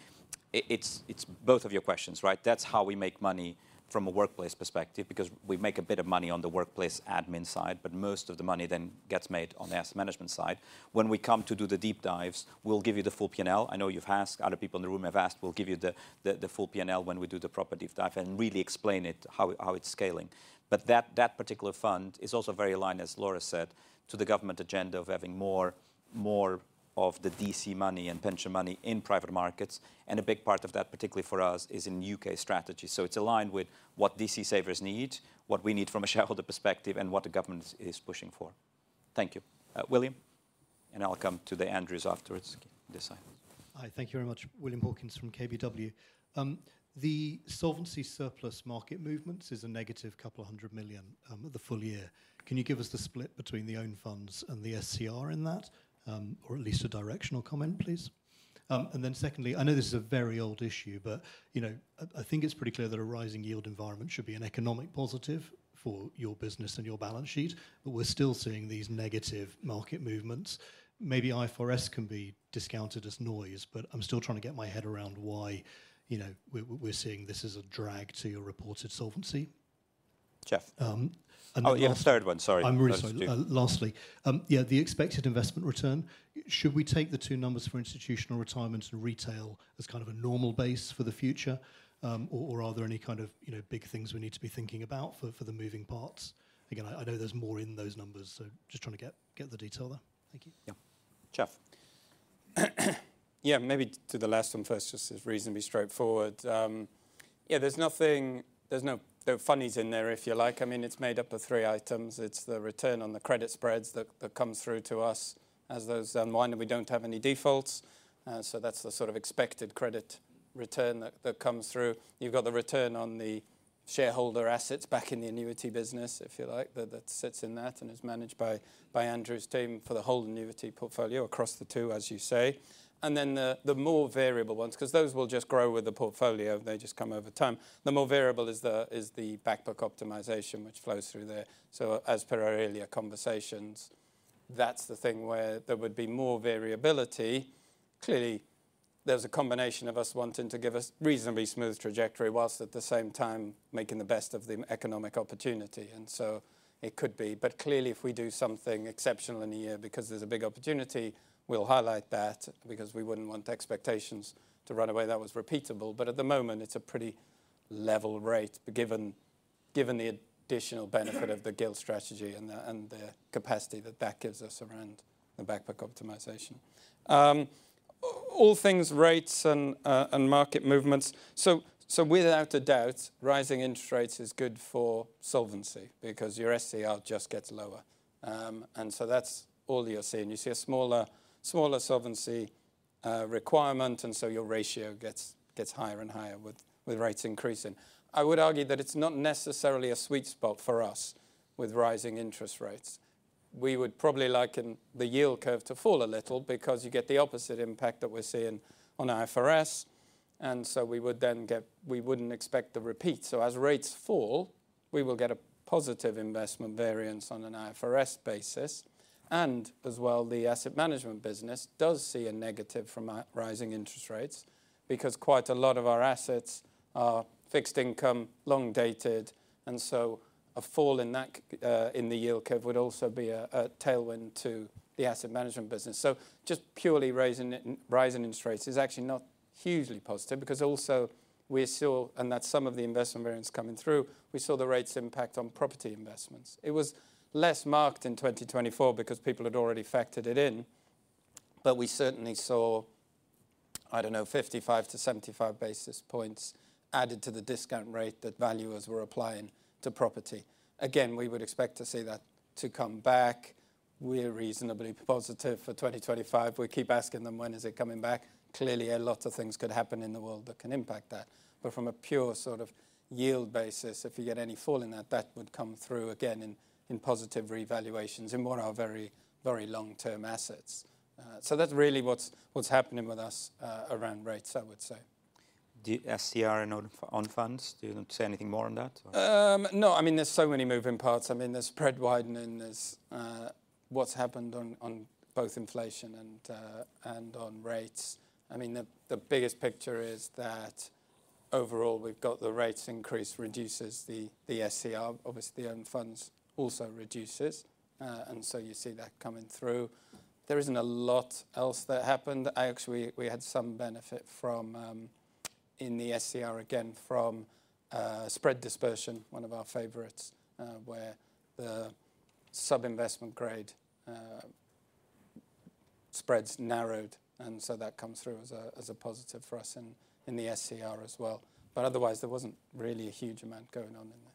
it's both of your questions, right? That's how we make money from a workplace perspective because we make a bit of money on the workplace admin side, but most of the money then gets made on the Asset Management side. When we come to do the deep dives, we'll give you the full P&L. I know you've asked, other people in the room have asked, we'll give you the full P&L when we do the proper deep dive and really explain it, how it's scaling. That particular fund is also very aligned, as Laura said, to the government agenda of having more of the DC money and pension money in private markets. A big part of that, particularly for us, is in U.K. strategy. It's aligned with what DC savers need, what we need from a shareholder perspective, and what the government is pushing for. Thank you. William, and I'll come to the Andrews afterwards. Hi, thank you very much. William Hawkins from KBW. The Solvency surplus market movements is a negative couple of hundred million the full year. Can you give us the split between the own funds and the SCR in that, or at least a directional comment, please? Secondly, I know this is a very old issue, but I think it's pretty clear that a rising yield environment should be an economic positive for your business and your balance sheet, but we're still seeing these negative market movements. Maybe IFRS can be discounted as noise, but I'm still trying to get my head around why we're seeing this as a drag to your reported solvency. Jeff. Oh, you have a third one, sorry. I'm really sorry. Lastly, yeah, the expected investment return, should we take the two numbers for Institutional Retirements and Retail as kind of a normal base for the future, or are there any kind of big things we need to be thinking about for the moving parts? Again, I know there's more in those numbers, so just trying to get the detail there. Thank you. Yeah, Jeff. Yeah, maybe to the last one first, just as reasonably straightforward. Yeah, there's no funnies in there, if you like. I mean, it's made up of three items. It's the return on the credit spreads that comes through to us as those are unwinded. We don't have any defaults. So, that's the sort of expected credit return that comes through. You've got the return on the shareholder assets back in the Annuity business, if you like, that sits in that and is managed by Andrew's team for the whole Annuity portfolio across the two, as you say. Then the more variable ones, because those will just grow with the portfolio, they just come over time. The more variable is the back-book optimization, which flows through there. As per our earlier conversations, that's the thing where there would be more variability. Clearly, there's a combination of us wanting to give a reasonably smooth trajectory whilst at the same time making the best of the economic opportunity. It could be. Clearly, if we do something exceptional in a year because there's a big opportunity, we'll highlight that because we wouldn't want expectations to run away. That was repeatable. At the moment, it's a pretty level rate given the additional benefit of the Gilt strategy and the capacity that that gives us around the back-book optimization. All things rates and market movements. Without a doubt, rising interest rates is good for solvency because your SCR just gets lower. That's all you're seeing. You see a smaller solvency requirement, and your ratio gets higher and higher with rates increasing. I would argue that it's not necessarily a sweet spot for us with rising interest rates. We would probably liken the yield curve to fall a little because you get the opposite impact that we're seeing on IFRS. We would then get, we wouldn't expect the repeat. As rates fall, we will get a positive investment variance on an IFRS basis. As well, the Asset Management business does see a negative from rising interest rates because quite a lot of our assets are fixed income, long dated. A fall in the yield curve would also be a tailwind to the Asset Management business. Just purely rising interest rates is actually not hugely positive because also we saw, and that's some of the investment variance coming through, we saw the rates impact on property investments. It was less marked in 2024 because people had already factored it in. We certainly saw, I don't know, 55-75 basis points added to the discount rate that valuers were applying to property. Again, we would expect to see that to come back. We're reasonably positive for 2025. We keep asking them, when is it coming back? Clearly, a lot of things could happen in the world that can impact that. From a pure sort of yield basis, if you get any fall in that, that would come through again in positive revaluations in one of our very, very long-term assets. That is really what is happening with us around rates, I would say. SCR and own funds, do you want to say anything more on that? No, I mean, there are so many moving parts. I mean, there is spread widening, there is what has happened on both inflation and on rates. The biggest picture is that overall we have got the rates increase reduces the SCR, obviously the own funds also reduces. You see that coming through. There is not a lot else that happened. Actually, we had some benefit in the SCR again from spread dispersion, one of our favorites, where the sub-investment grade spreads narrowed. That comes through as a positive for us in the SCR as well. Otherwise, there was not really a huge amount going on in there.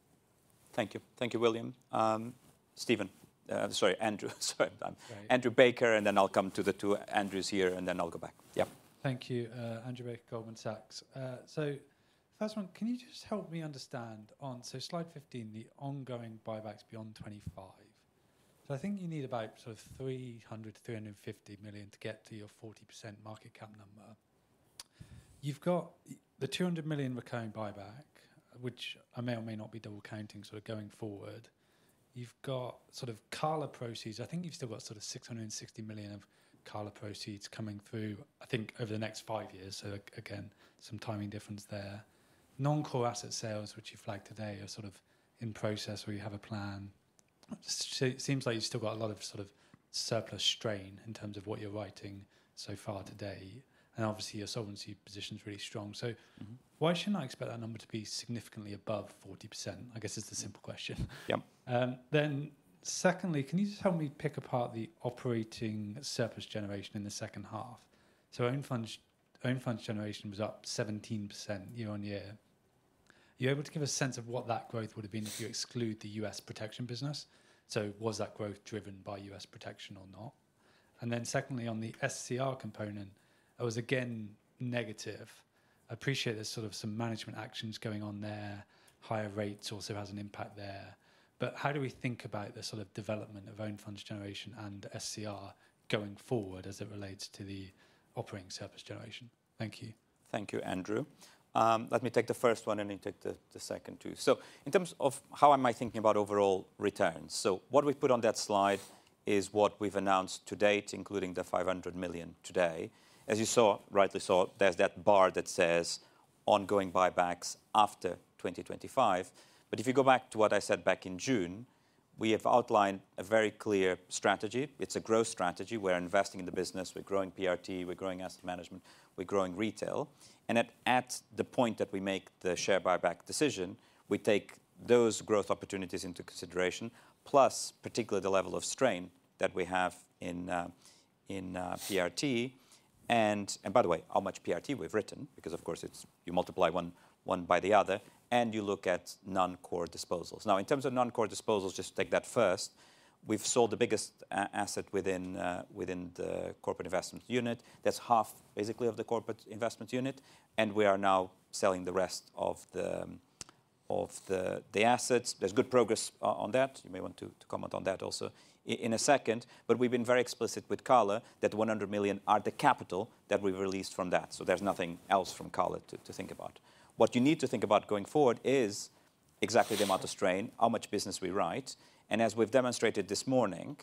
Thank you. Thank you, William. Stephen, sorry, Andrew. Sorry, Andrew Baker, and then I will come to the two Andrews here, and then I will go back. Yeah. Thank you, Andrew Baker, Goldman Sachs. First one, can you just help me understand on slide 15, the ongoing buybacks beyond 2025? I think you need about 300 million-350 million to get to your 40% market cap number. You have got the 200 million recurring buyback, which may or may not be double counting going forward. You have got car loan proceeds. I think you have still got 660 million of car loan proceeds coming through, I think over the next five years. Again, some timing difference there. Non-core asset sales, which you flagged today, are sort of in process where you have a plan. It seems like you've still got a lot of sort of surplus strain in terms of what you're writing so far today. Obviously, your solvency position is really strong. Why shouldn't I expect that number to be significantly above 40%? I guess it's the simple question. Secondly, can you just help me pick apart the operating surplus generation in the second half? Own funds generation was up 17% year on year. Are you able to give a sense of what that growth would have been if you exclude the U.S. Protection business? Was that growth driven by U.S. protection or not? Secondly, on the SCR component, it was again negative. I appreciate there's sort of some management actions going on there. Higher rates also has an impact there. How do we think about the sort of development of own funds generation and SCR going forward as it relates to the operating surplus generation? Thank you. Thank you, Andrew. Let me take the first one and then take the second too. In terms of how am I thinking about overall returns? What we've put on that slide is what we've announced to date, including the 500 million today. As you saw, rightly saw, there's that bar that says ongoing buybacks after 2025. If you go back to what I said back in June, we have outlined a very clear strategy. It's a growth strategy. We're investing in the business. We're growing PRT. We're growing Asset Management. We're growing Retail. At the point that we make the share buyback decision, we take those growth opportunities into consideration, plus particularly the level of strain that we have in PRT. By the way, how much PRT we've written, because of course, you multiply one by the other, and you look at non-core disposals. In terms of non-core disposals, just take that first. We've sold the biggest asset within the corporate investment unit. That's half basically of the corporate investment unit. We are now selling the rest of the assets. There's good progress on that. You may want to comment on that also in a second. We've been very explicit with CALA that 100 million are the capital that we've released from that. There's nothing else from CALA to think about. What you need to think about going forward is exactly the amount of strain, how much business we write. As we've demonstrated this morning,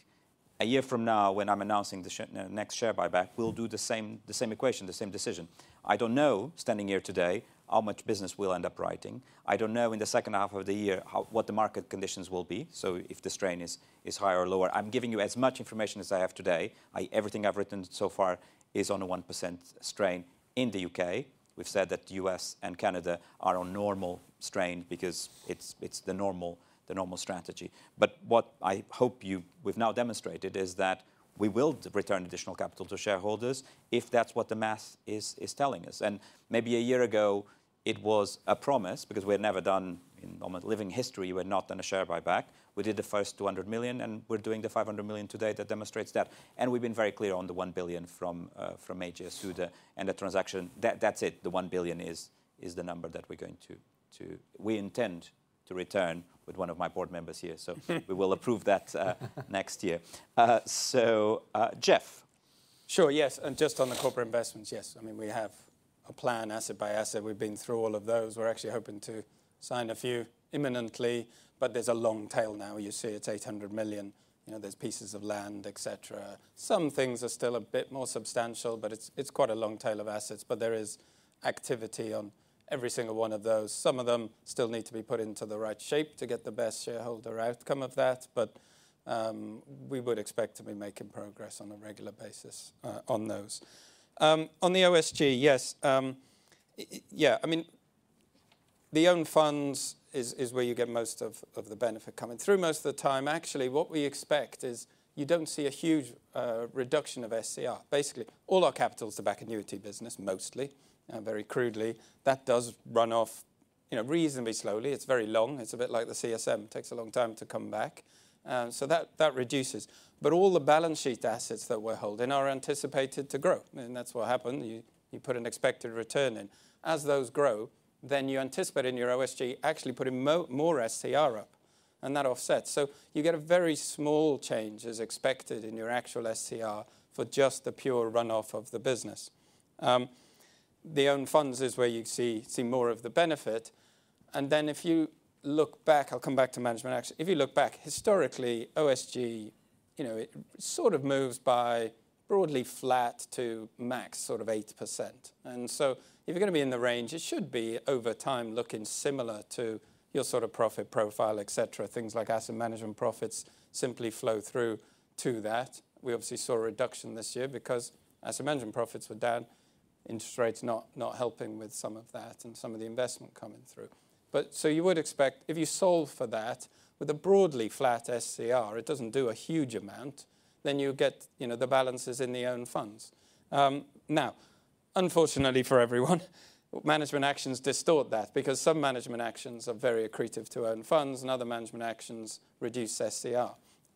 a year from now, when I'm announcing the next share buyback, we'll do the same equation, the same decision. I don't know, standing here today, how much business we'll end up writing. I don't know in the second half of the year what the market conditions will be. If the strain is higher or lower, I'm giving you as much information as I have today. Everything I've written so far is on a 1% strain in the U.K. We've said that the U.S. and Canada are on normal strain because it's the normal strategy. What I hope we've now demonstrated is that we will return additional capital to shareholders if that's what the math is telling us. Maybe a year ago, it was a promise because we had never done in living history, we had not done a share buyback. We did the first 200 million, and we are doing the 500 million today that demonstrates that. We have been very clear on the 1 billion from AGS Suder and the transaction. That is it. The 1 billion is the number that we are going to, we intend to return with one of my board members here. We will approve that next year. Jeff. Yes. Just on the corporate investments, yes. I mean, we have a plan asset by asset. We have been through all of those. We are actually hoping to sign a few imminently, but there is a long tail now. You see it is 800 million. There are pieces of land, etc. Some things are still a bit more substantial, but it's quite a long tail of assets. There is activity on every single one of those. Some of them still need to be put into the right shape to get the best shareholder outcome of that. We would expect to be making progress on a regular basis on those. On the OSG, yes. Yeah, I mean, the own funds is where you get most of the benefit coming through most of the time. Actually, what we expect is you don't see a huge reduction of SCR. Basically, all our capital is the back annuity business, mostly, very crudely. That does run off reasonably slowly. It's very long. It's a bit like the CSM. It takes a long time to come back. That reduces. All the balance sheet assets that we're holding are anticipated to grow. That is what happened. You put an expected return in. As those grow, you anticipate in your OSG actually putting more SCR up. That offsets. You get a very small change as expected in your actual SCR for just the pure runoff of the business. The own funds is where you see more of the benefit. If you look back, I will come back to management action. If you look back, historically, OSG sort of moves by broadly flat to max sort of 8%. If you are going to be in the range, it should be over time looking similar to your sort of profit profile, etc. Things like Asset Management profits simply flow through to that. We obviously saw a reduction this year because Asset Management profits were down, interest rates not helping with some of that and some of the investment coming through. You would expect if you solve for that with a broadly flat SCR, it does not do a huge amount, then you get the balances in the own funds. Unfortunately for everyone, management actions distort that because some management actions are very accretive to own funds and other management actions reduce SCR.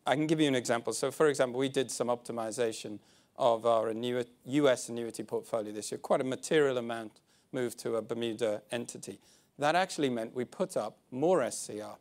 I can give you an example. For example, we did some optimisation of our U.S. Annuity portfolio this year. Quite a material amount moved to a Bermuda entity. That actually meant we put up more SCR.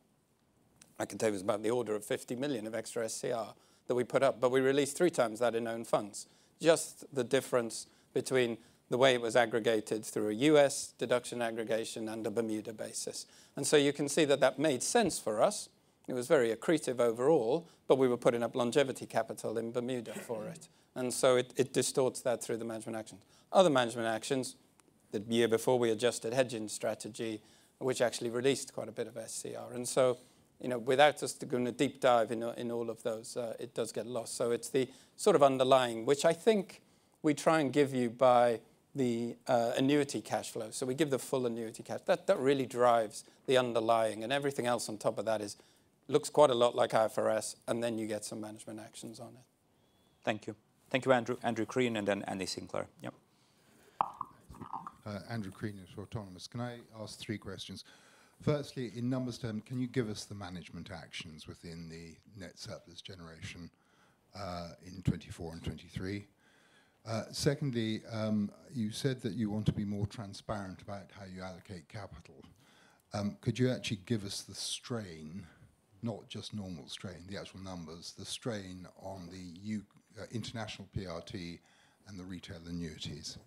I can tell you it was about the order of $50 million of extra SCR that we put up, but we released three times that in own funds. Just the difference between the way it was aggregated through a US deduction aggregation and a Bermuda basis. You can see that that made sense for us. It was very accretive overall, but we were putting up longevity capital in Bermuda for it. It distorts that through the management actions. Other management actions, the year before we adjusted hedging strategy, which actually released quite a bit of SCR. Without us doing a deep dive in all of those, it does get lost. It is the sort of underlying, which I think we try and give you by the annuity cash flow. We give the full annuity cash. That really drives the underlying. Everything else on top of that looks quite a lot like IFRS, and then you get some management actions on it. Thank you. Thank you, Andrew. Andrew Crean and then Andrew Sinclair. Yep. Andrew Crean is for Autonomous. Can I ask three questions? Firstly, in numbers term, can you give us the management actions within the net surplus generation in 2024 and 2023? Secondly, you said that you want to be more transparent about how you allocate capital. Could you actually give us the strain, not just normal strain, the actual numbers, the strain on the international PRT and the Retail Annuities?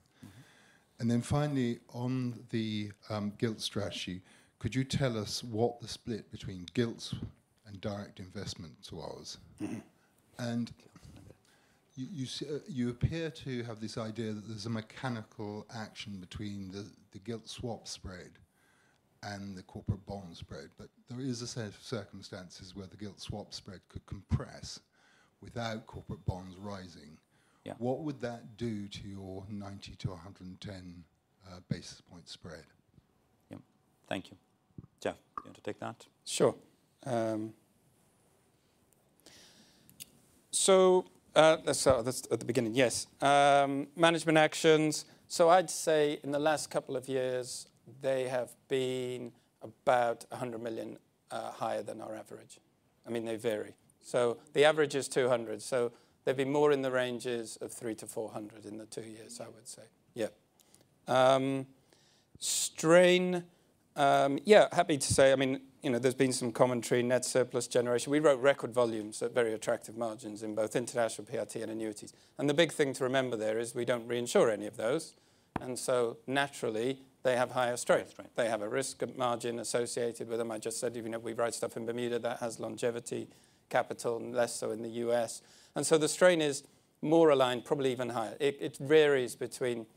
Finally, on the gilt strategy, could you tell us what the split between gilts and direct investments was? You appear to have this idea that there is a mechanical action between the gilt swap spread and the corporate bond spread. There is a set of circumstances where the gilt swap spread could compress without corporate bonds rising. What would that do to your 90-110 basis point spread? Yep. Thank you. Jeff, do you want to take that? Sure. Let's start at the beginning. Yes. Management actions. I'd say in the last couple of years, they have been about 100 million higher than our average. I mean, they vary. The average is 200 million. They've been more in the range of 300 million-400 million in the two years, I would say. Yeah. Strain. Yeah, happy to say. I mean, there's been some commentary net surplus generation. We wrote record volumes at very attractive margins in both international PRT and annuities. The big thing to remember there is we do not reinsure any of those. Naturally, they have higher strains. They have a risk of margin associated with them. I just said, even if we write stuff in Bermuda, that has longevity capital and less so in the U.S. The strain is more aligned, probably even higher. It varies between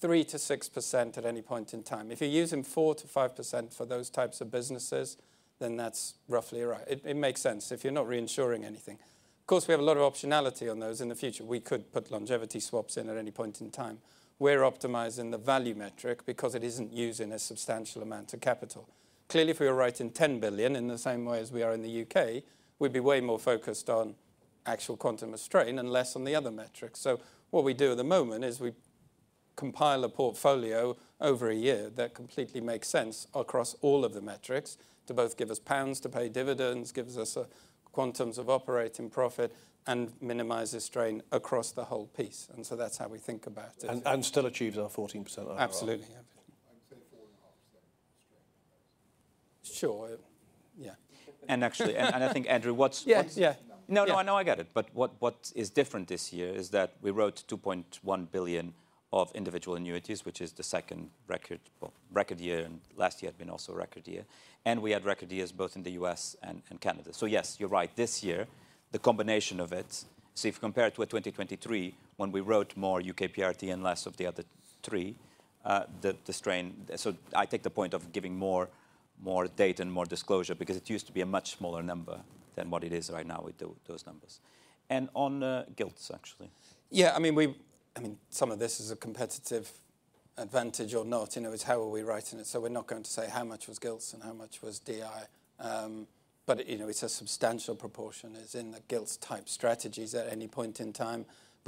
3%-6% at any point in time. If you're using 4%-5% for those types of businesses, then that's roughly right. It makes sense if you're not reinsuring anything. Of course, we have a lot of optionality on those in the future. We could put longevity swaps in at any point in time. We're optimizing the value metric because it isn't using a substantial amount of capital. Clearly, if we were writing 10 billion in the same way as we are in the U.K., we'd be way more focused on actual quantum strain and less on the other metrics. What we do at the moment is we compile a portfolio over a year that completely makes sense across all of the metrics to both give us pounds to pay dividends, gives us quantums of operating profit, and minimizes strain across the whole piece. That is how we think about it. Still achieves our 14%. Absolutely. I'd say 4.5% strain. Sure. Yeah. Actually, I think, Andrew, what's? Yeah. No, no, I get it. What is different this year is that we wrote 2.1 billion of individual Annuities, which is the second record year and last year had also been a record year. We had record years both in the U.S. and Canada. Yes, you're right. This year, the combination of it, if you compare it to 2023, when we wrote more U.K. PRT and less of the other three, the strain, I take the point of giving more data and more disclosure because it used to be a much smaller number than what it is right now with those numbers. On gilts, actually, some of this is a competitive advantage or not. How are we writing it? We are not going to say how much was gilts and how much was DI. A substantial proportion is in the gilts type strategies at any point in time.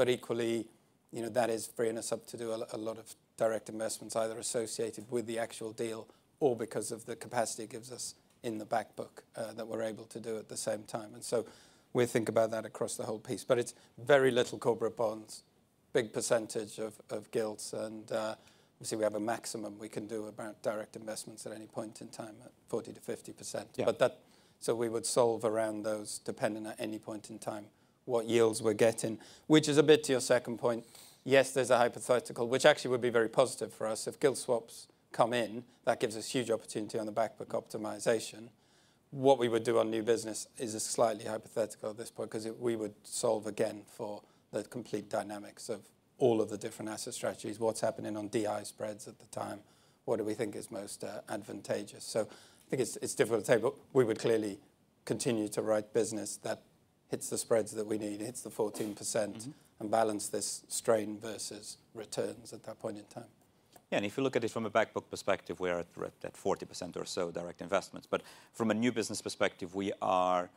Equally, that is freeing us up to do a lot of direct investments, either associated with the actual deal or because of the capacity it gives us in the back-book that we are able to do at the same time. We think about that across the whole piece. It is very little corporate bonds, big percentage of gilts. Obviously, we have a maximum we can do about direct investments at any point in time at 40%-50%. We would solve around those depending on any point in time what yields we are getting, which is a bit to your second point. Yes, there's a hypothetical, which actually would be very positive for us. If gilt swaps come in, that gives us huge opportunity on the back-book optimization. What we would do on new business is slightly hypothetical at this point because we would solve again for the complete dynamics of all of the different asset strategies, what's happening on DI spreads at the time, what do we think is most advantageous. I think it's difficult to say, but we would clearly continue to write business that hits the spreads that we need, hits the 14% and balance this strain versus returns at that point in time. Yeah, and if you look at it from a back-book perspective, we are at 40% or so direct investments. From a new business perspective, we are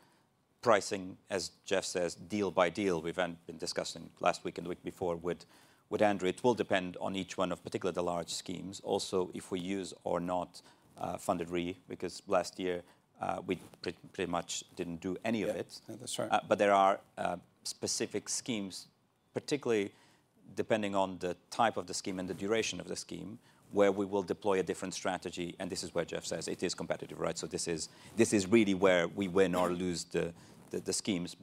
pricing, as Jeff says, deal by deal. We've been discussing last week and the week before with Andrew. It will depend on each one of particularly the large schemes. Also, if we use or not funded re because last year we pretty much didn't do any of it. There are specific schemes, particularly depending on the type of the scheme and the duration of the scheme, where we will deploy a different strategy. This is where Jeff says it is competitive, right? This is really where we win or lose the schemes.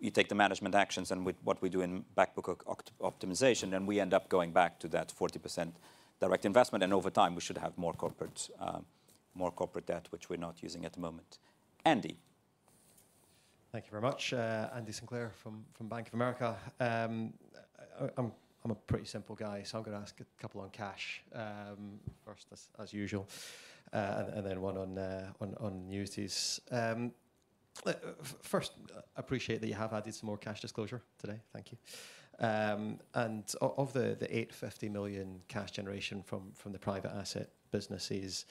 You take the management actions and with what we do in back-book optimization, we end up going back to that 40% direct investment. Over time, we should have more corporate debt, which we're not using at the moment. Andy. Thank you very much. Andy Sinclair from Bank of America. I'm a pretty simple guy, so I'm going to ask a couple on cash first, as usual, and then one on newses. First, I appreciate that you have added some more cash disclosure today. Thank you. And of the 850 million cash generation from the private asset businesses,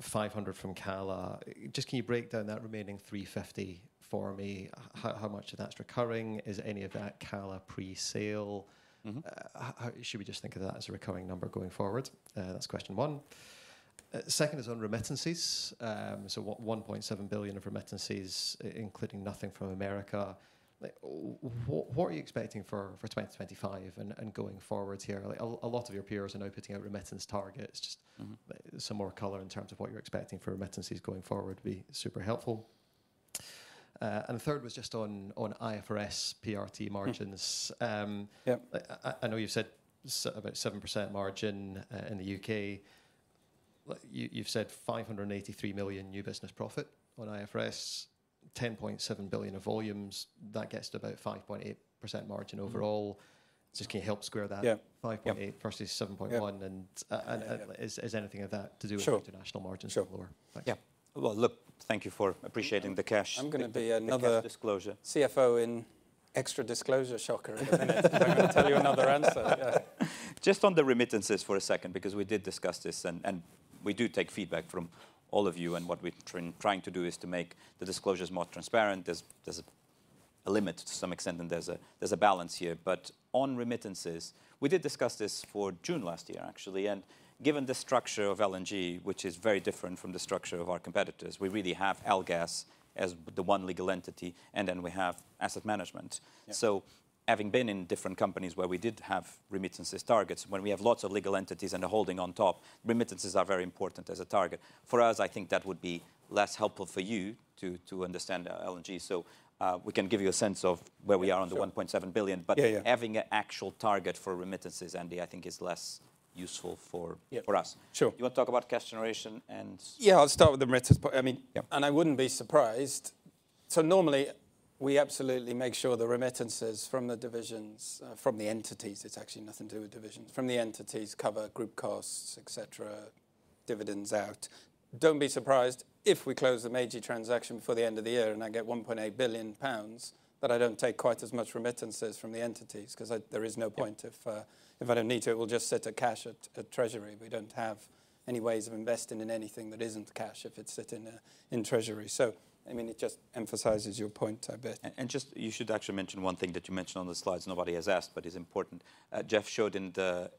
500 million from CALA. Just can you break down that remaining 350 million for me? How much of that's recurring? Is any of that CALA pre-sale? Should we just think of that as a recurring number going forward? That's question one. Second is on remittances. 1.7 billion of remittances, including nothing from America. What are you expecting for 2025 and going forward here? A lot of your peers are now putting out remittance targets. Just some more colour in terms of what you're expecting for remittances going forward would be super helpful. The third was just on IFRS PRT margins. I know you've said about 7% margin in the U.K. You've said 583 million new business profit on IFRS, 10.7 billion of volumes. That gets to about 5.8% margin overall. Just can you help square that? 5.8% versus 7.1%. And is anything of that to do with international margins lower? Yeah. Look, thank you for appreciating the cash. I'm going to be a nickel disclosure. CFO in extra disclosure shocker. I'm going to tell you another answer. Just on the remittances for a second, because we did discuss this and we do take feedback from all of you. What we're trying to do is to make the disclosures more transparent. There's a limit to some extent and there's a balance here. On remittances, we did discuss this for June last year, actually. the structure of Legal & General, which is very different from the structure of our competitors, we really have LGAS as the one legal entity and then we have Asset Management. Having been in different companies where we did have remittances targets, when we have lots of legal entities and a holding on top, remittances are very important as a target. For us, I think that would be less helpful for you to understand L&G. We can give you a sense of where we are on the 1.7 billion. Having an actual target for remittances, Andy, I think is less useful for us. Sure. You want to talk about cash generation and? Yeah, I'll start with the remittances. I mean, I wouldn't be surprised. Normally, we absolutely make sure the remittances from the entities cover group costs, etc., dividends out. Do not be surprised if we close the major transaction before the end of the year and I get 1.8 billion pounds that I do not take quite as much remittances from the entities because there is no point if I do not need to. It will just sit at cash at treasury. We do not have any ways of investing in anything that is not cash if it is sitting in treasury. I mean, it just emphasizes your point a bit. You should actually mention one thing that you mentioned on the slides nobody has asked but is important. Jeff showed in the,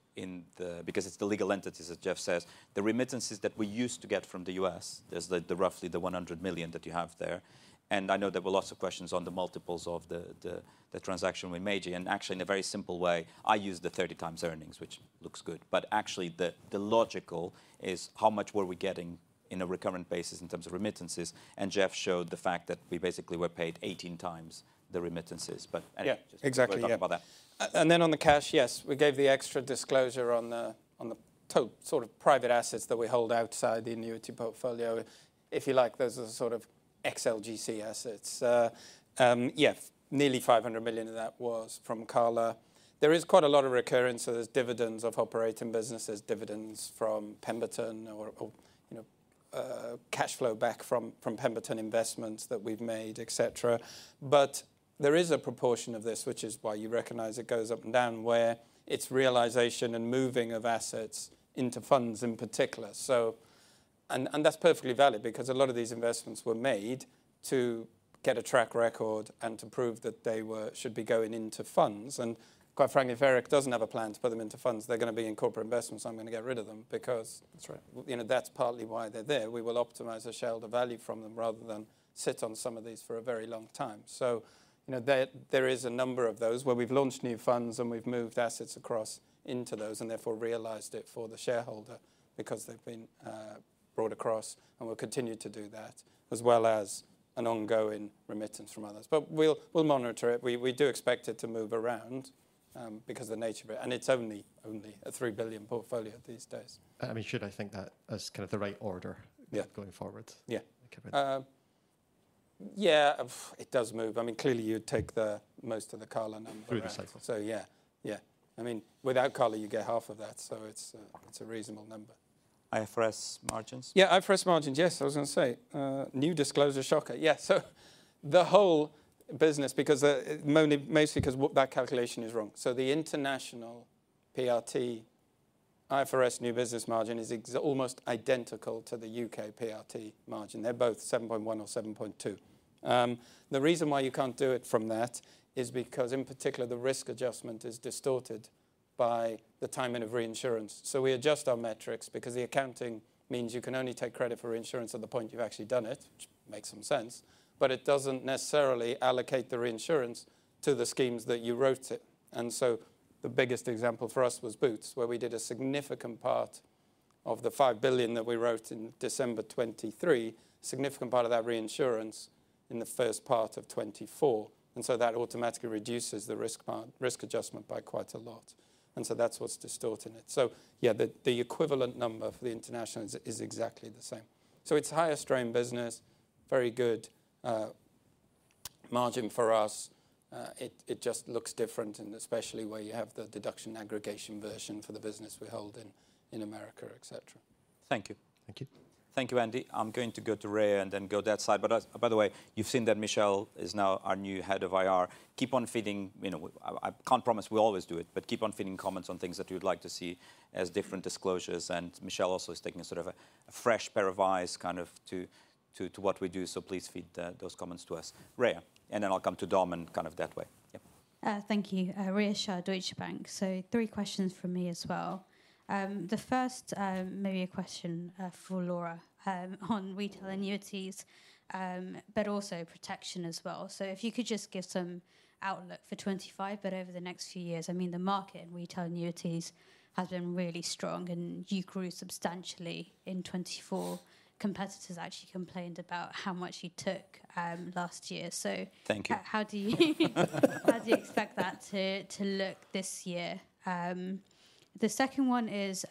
because it's the legal entities as Jeff says, the remittances that we used to get from the U.S., there's roughly the 100 million that you have there. I know there were lots of questions on the multiples of the transaction we made you. Actually, in a very simple way, I used the 30 times earnings, which looks good. Actually, the logical is how much were we getting in a recurrent basis in terms of remittances? Jeff showed the fact that we basically were paid 18 times the remittances. Yeah, just talk about that. On the cash, yes, we gave the extra disclosure on the sort of private assets that we hold outside the annuity portfolio. If you like, those are sort of XLGC assets. Nearly 500 million of that was from CALA. There is quite a lot of recurrence. There's dividends of operating businesses, dividends from Pemberton or cash flow back from Pemberton investments that we've made, etc. There is a proportion of this, which is why you recognize it goes up and down where it's realization and moving of assets into funds in particular. That is perfectly valid because a lot of these investments were made to get a track record and to prove that they should be going into funds. Quite frankly, if Eric doesn't have a plan to put them into funds, they're going to be in corporate investments, I'm going to get rid of them because that's partly why they're there. We will optimize a shell to value from them rather than sit on some of these for a very long time. There is a number of those where we've launched new funds and we've moved assets across into those and therefore realized it for the shareholder because they've been brought across and we'll continue to do that as well as an ongoing remittance from others. We'll monitor it. We do expect it to move around because of the nature of it. It's only a 3 billion portfolio these days. I mean, should I think that as kind of the right order going forward? Yeah. Yeah, it does move. Clearly you'd take most of the CALA number through the cycle. Yeah. Without CALA, you get half of that. It's a reasonable number. IFRS margins? Yeah, IFRS margins, yes. I was going to say new disclosure shocker. The whole business, mostly because that calculation is wrong. The international PRT IFRS new business margin is almost identical to the U.K. PRT margin. They're both 7.1 or 7.2. The reason why you can't do it from that is because in particular, the risk adjustment is distorted by the timing of reinsurance. We adjust our metrics because the accounting means you can only take credit for reinsurance at the point you've actually done it, which makes some sense, but it doesn't necessarily allocate the reinsurance to the schemes that you wrote it. The biggest example for us was Boots, where we did a significant part of the 5 billion that we wrote in December 2023, a significant part of that reinsurance in the first part of 2024. That automatically reduces the risk adjustment by quite a lot. That's what's distorting it. Yeah, the equivalent number for the international is exactly the same. It is higher strain business, very good margin for us. It just looks different, especially where you have the deduction aggregation version for the business we hold in America, etc. Thank you. Thank you. Thank you, Andy. I am going to go to Rhea and then go that side. By the way, you have seen that Michelle is now our new head of IR. Keep on feeding, I cannot promise we will always do it, but keep on feeding comments on things that you would like to see as different disclosures. Michelle also is taking a sort of a fresh pair of eyes to what we do. Please feed those comments to us, Rhea. Then I will come to Dom and that way. Thank you. Rhea Shah, Deutsche Bank. Three questions from me as well. The first, maybe a question for Laura on Retail Annuities, but also protection as well. If you could just give some outlook for 2025, but over the next few years, I mean, the market in Retail Annuities has been really strong and you grew substantially in 2024. Competitors actually complained about how much you took last year. How do you expect that to look this year? The second one is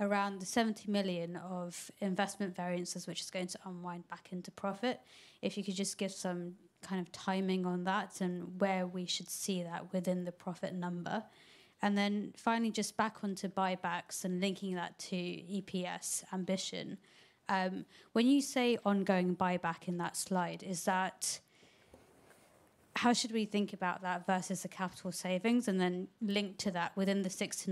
around the 70 million of investment variances, which is going to unwind back into profit. If you could just give some kind of timing on that and where we should see that within the profit number. Finally, just back onto buybacks and linking that to EPS ambition. When you say ongoing buyback in that slide, how should we think about that versus the capital savings? Then link to that within the 6%-9%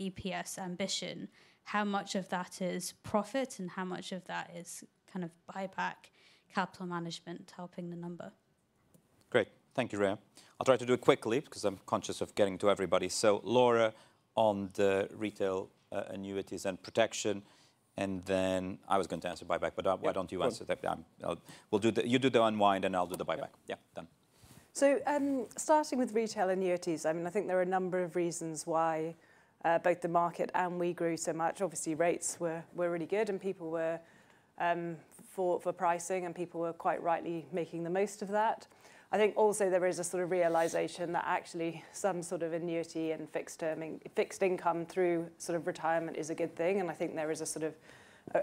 EPS ambition, how much of that is profit and how much of that is kind of buyback capital management helping the number? Great. Thank you, Rhea. I'll try to do it quickly because I'm conscious of getting to everybody. Laura, on the Retail Annuities and Protection. I was going to answer buyback, but why don't you answer that? You do the unwind and I'll do the buyback. Yeah, done. Starting with Retail Annuities, I mean, I think there are a number of reasons why both the market and we grew so much. Obviously, rates were really good and people were for pricing and people were quite rightly making the most of that. I think also there is a sort of realization that actually some sort of annuity and fixed income through sort of retirement is a good thing. I think there is a sort of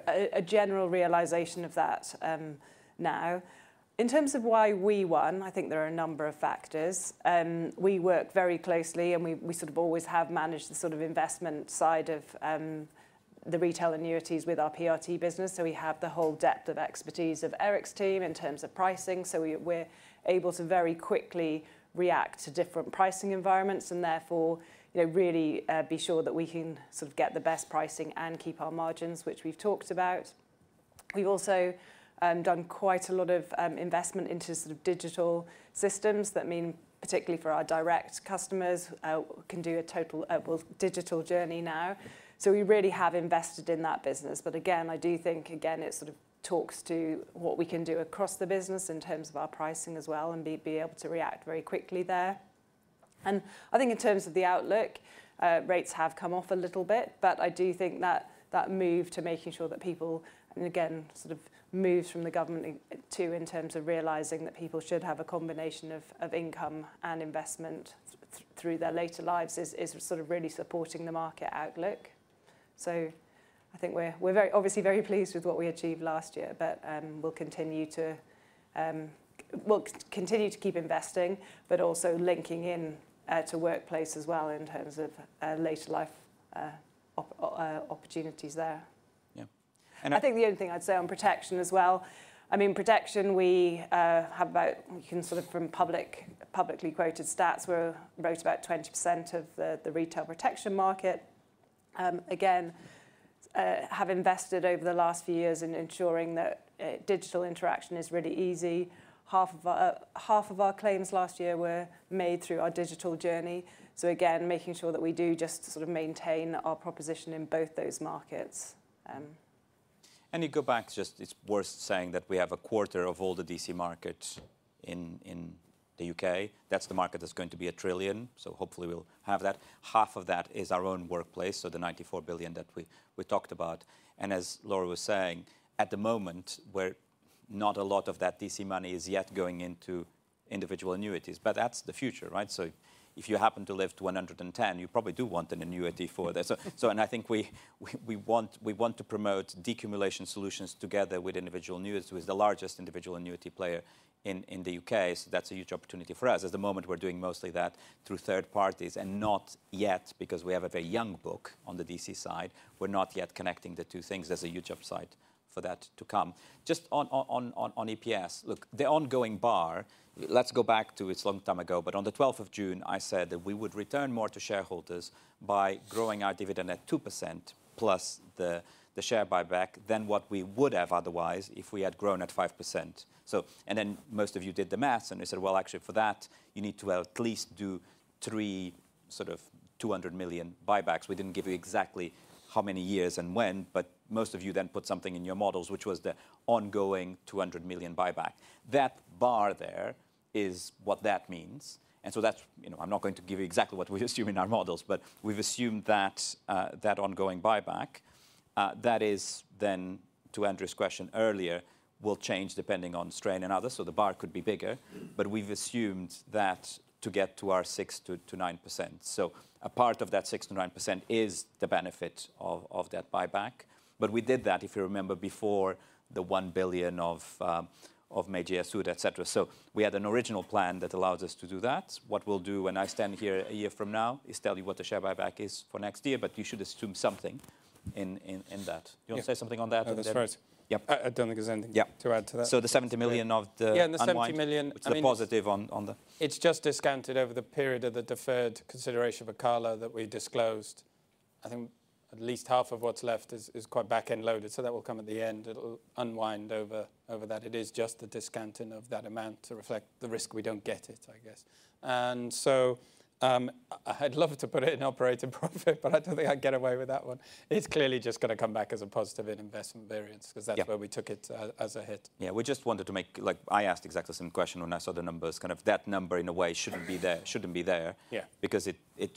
a general realization of that now. In terms of why we won, I think there are a number of factors. We work very closely and we sort of always have managed the sort of investment side of the Retail Annuities with our PRT business. We have the whole depth of expertise of Eric's team in terms of pricing. We are able to very quickly react to different pricing environments and therefore really be sure that we can sort of get the best pricing and keep our margins, which we have talked about. We've also done quite a lot of investment into sort of digital systems that mean particularly for our direct customers can do a total digital journey now. We really have invested in that business. I do think again it sort of talks to what we can do across the business in terms of our pricing as well and be able to react very quickly there. I think in terms of the outlook, rates have come off a little bit, but I do think that that move to making sure that people, and again, sort of moves from the government in terms of realizing that people should have a combination of income and investment through their later lives is sort of really supporting the market outlook. I think we're obviously very pleased with what we achieved last year, but we'll continue to keep investing, but also linking in to workplace as well in terms of later life opportunities there. Yeah. I think the only thing I'd say on protection as well, I mean, protection we have about, we can sort of from publicly quoted stats where we wrote about 20% of the Retail protection market. Again, have invested over the last few years in ensuring that digital interaction is really easy. Half of our claims last year were made through our digital journey. Again, making sure that we do just sort of maintain our proposition in both those markets. You go back, just it's worth saying that we have a quarter of all the DC markets in the U.K. That's the market that's going to be a trillion. Hopefully we'll have that. Half of that is our own workplace. The 94 billion that we talked about. As Laura was saying, at the moment, not a lot of that DC money is yet going into individual annuities, but that's the future, right? If you happen to live to 110, you probably do want an annuity for that. I think we want to promote decumulation solutions together with individual annuities. We're the largest individual annuity player in the U.K. That's a huge opportunity for us. At the moment, we're doing mostly that through third parties and not yet, because we have a very young book on the DC side, we're not yet connecting the two things. There's a huge upside for that to come. Just on EPS, look, the ongoing bar, let's go back to it's a long time ago, but on the 12th of June, I said that we would return more to shareholders by growing our dividend at 2% plus the share buyback than what we would have otherwise if we had grown at 5%. Most of you did the maths and they said, actually for that, you need to at least do three sort of 200 million buybacks. We did not give you exactly how many years and when, but most of you then put something in your models, which was the ongoing 200 million buyback. That bar there is what that means. That is, you know, I'm not going to give you exactly what we assume in our models, but we've assumed that ongoing buyback, that is then to Andrew's question earlier, will change depending on strain and others. The bar could be bigger, but we've assumed that to get to our 6%-9%. A part of that 6%-9% is the benefit of that buyback. We did that, if you remember, before the 1 billion of major suit, etc. We had an original plan that allows us to do that. What we'll do when I stand here a year from now is tell you what the share buyback is for next year, but you should assume something in that. Do you want to say something on that? That's right. I don't think there's anything to add to that. The 70 million of the buyback. Yeah, and the 70 million. A positive on the. It's just discounted over the period of the deferred consideration for CALA that we disclosed. I think at least half of what's left is quite back end loaded. That will come at the end. It'll unwind over that. It is just the discounting of that amount to reflect the risk we don't get it, I guess. I'd love to put it in operating profit, but I don't think I'd get away with that one. It's clearly just going to come back as a positive in investment variance because that's where we took it as a hit. We just wanted to make, like I asked exactly the same question when I saw the numbers, kind of that number in a way shouldn't be there, shouldn't be there. Yeah, because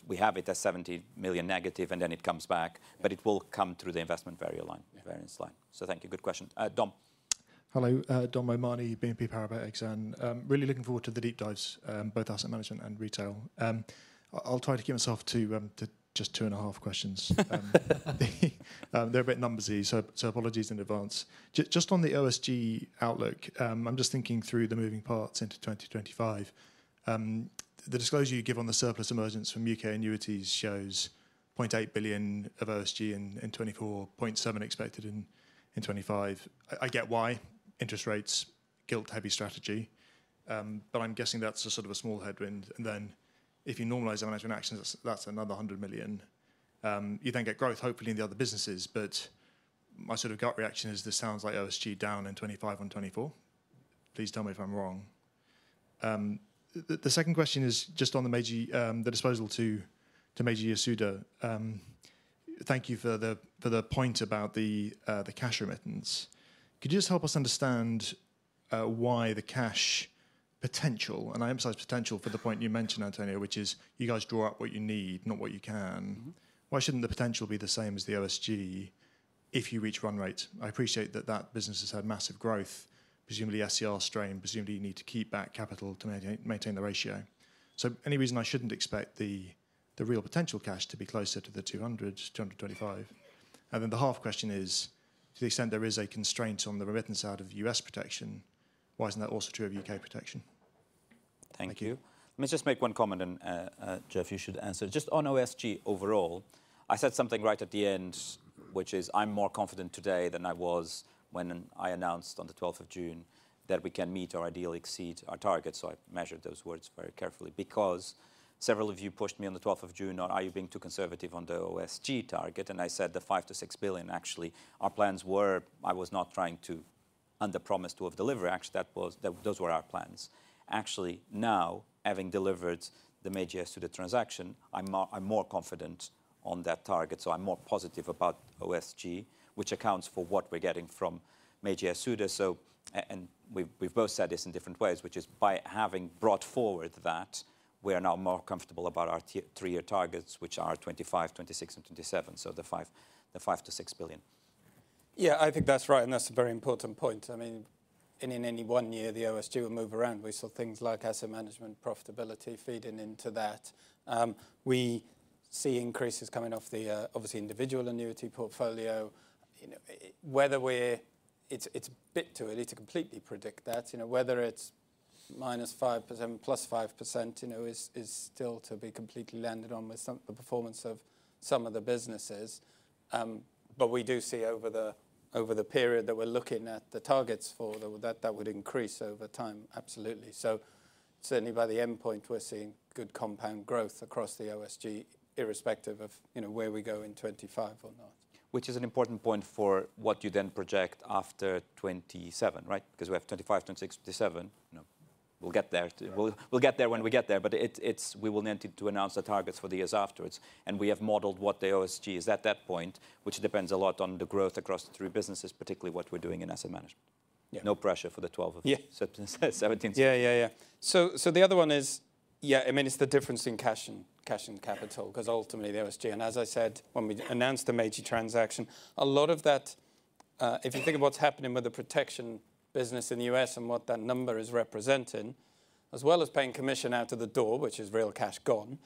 we have it as 70 million negative and then it comes back, but it will come through the investment variance line. Thank you. Good question. Dom. Hello, Dom O'Mahony, BNP Paribas Exane. Really looking forward to the deep dives, both Asset Management and Retail. I'll try to keep myself to just two and a half questions. They're a bit numbersy, so apologies in advance. Just on the OSG outlook, I'm just thinking through the moving parts into 2025. The disclosure you give on the surplus emergence from U.K. annuities shows 0.8 billion of OSG in 2024, 0.7 billion expected in 2025. I get why interest rates, gilt-heavy strategy, but I'm guessing that's a sort of a small headwind. If you normalize the management actions, that's another 100 million. You then get growth, hopefully in the other businesses, but my sort of gut reaction is this sounds like OSG down in 2025 and 2024. Please tell me if I'm wrong. The second question is just on the major disposal to Meiji Yasuda. Thank you for the point about the cash remittance. Could you just help us understand why the cash potential, and I emphasize potential for the point you mentioned, António, which is you guys draw up what you need, not what you can. Why shouldn't the potential be the same as the OSG if you reach run rate? I appreciate that that business has had massive growth, presumably SCR strain, presumably you need to keep back capital to maintain the ratio. Any reason I shouldn't expect the real potential cash to be closer to the 200-225? The half question is, to the extent there is a constraint on the remittance side of U.S. protection, why is not that also true of U.K. protection? Thank you. Let me just make one comment, and Jeff, you should answer. Just on OSG overall, I said something right at the end, which is I am more confident today than I was when I announced on the 12th of June that we can meet or ideally exceed our target. I measured those words very carefully because several of you pushed me on the 12th of June on, are you being too conservative on the OSG target? I said the 5-6 billion actually our plans were, I was not trying to underpromise to have delivered. Actually, those were our plans. Actually, now having delivered the Meiji Yasuda transaction, I am more confident on that target. I'm more positive about OSG, which accounts for what we're getting from Meiji Yasuda and we've both said this in different ways, which is by having brought forward that, we are now more comfortable about our three-year targets, which are 2025, 2026, and 2027. The 5 billion-6 billion. Yeah, I think that's right. That's a very important point. I mean, in any one year, the OSG will move around. We saw things like Asset Management profitability feeding into that. We see increases coming off the obviously individual annuity portfolio. Whether we're, it's a bit too early to completely predict that. Whether it's -5%, +5%, is still to be completely landed on with the performance of some of the businesses. We do see over the period that we're looking at the targets for that that would increase over time, absolutely. Certainly by the end point, we're seeing good compound growth across the OSG, irrespective of where we go in 2025 or not. Which is an important point for what you then project after 2027, right? Because we have 2025, 2026, 2027. We'll get there. We'll get there when we get there, but we will need to announce the targets for the years afterwards. And we have modelled what the OSG is at that point, which depends a lot on the growth across the three businesses, particularly what we're doing inAsset Management. No pressure for the 12th or 17th. Yeah, yeah, yeah. The other one is, yeah, I mean, it's the difference in cash and capital because ultimately the OSG, and as I said, when we announced the major transaction, a lot of that, if you think of what's happening with the Protection business in the U.S. and what that number is representing, as well as paying commission out of the door, which is real cash gone,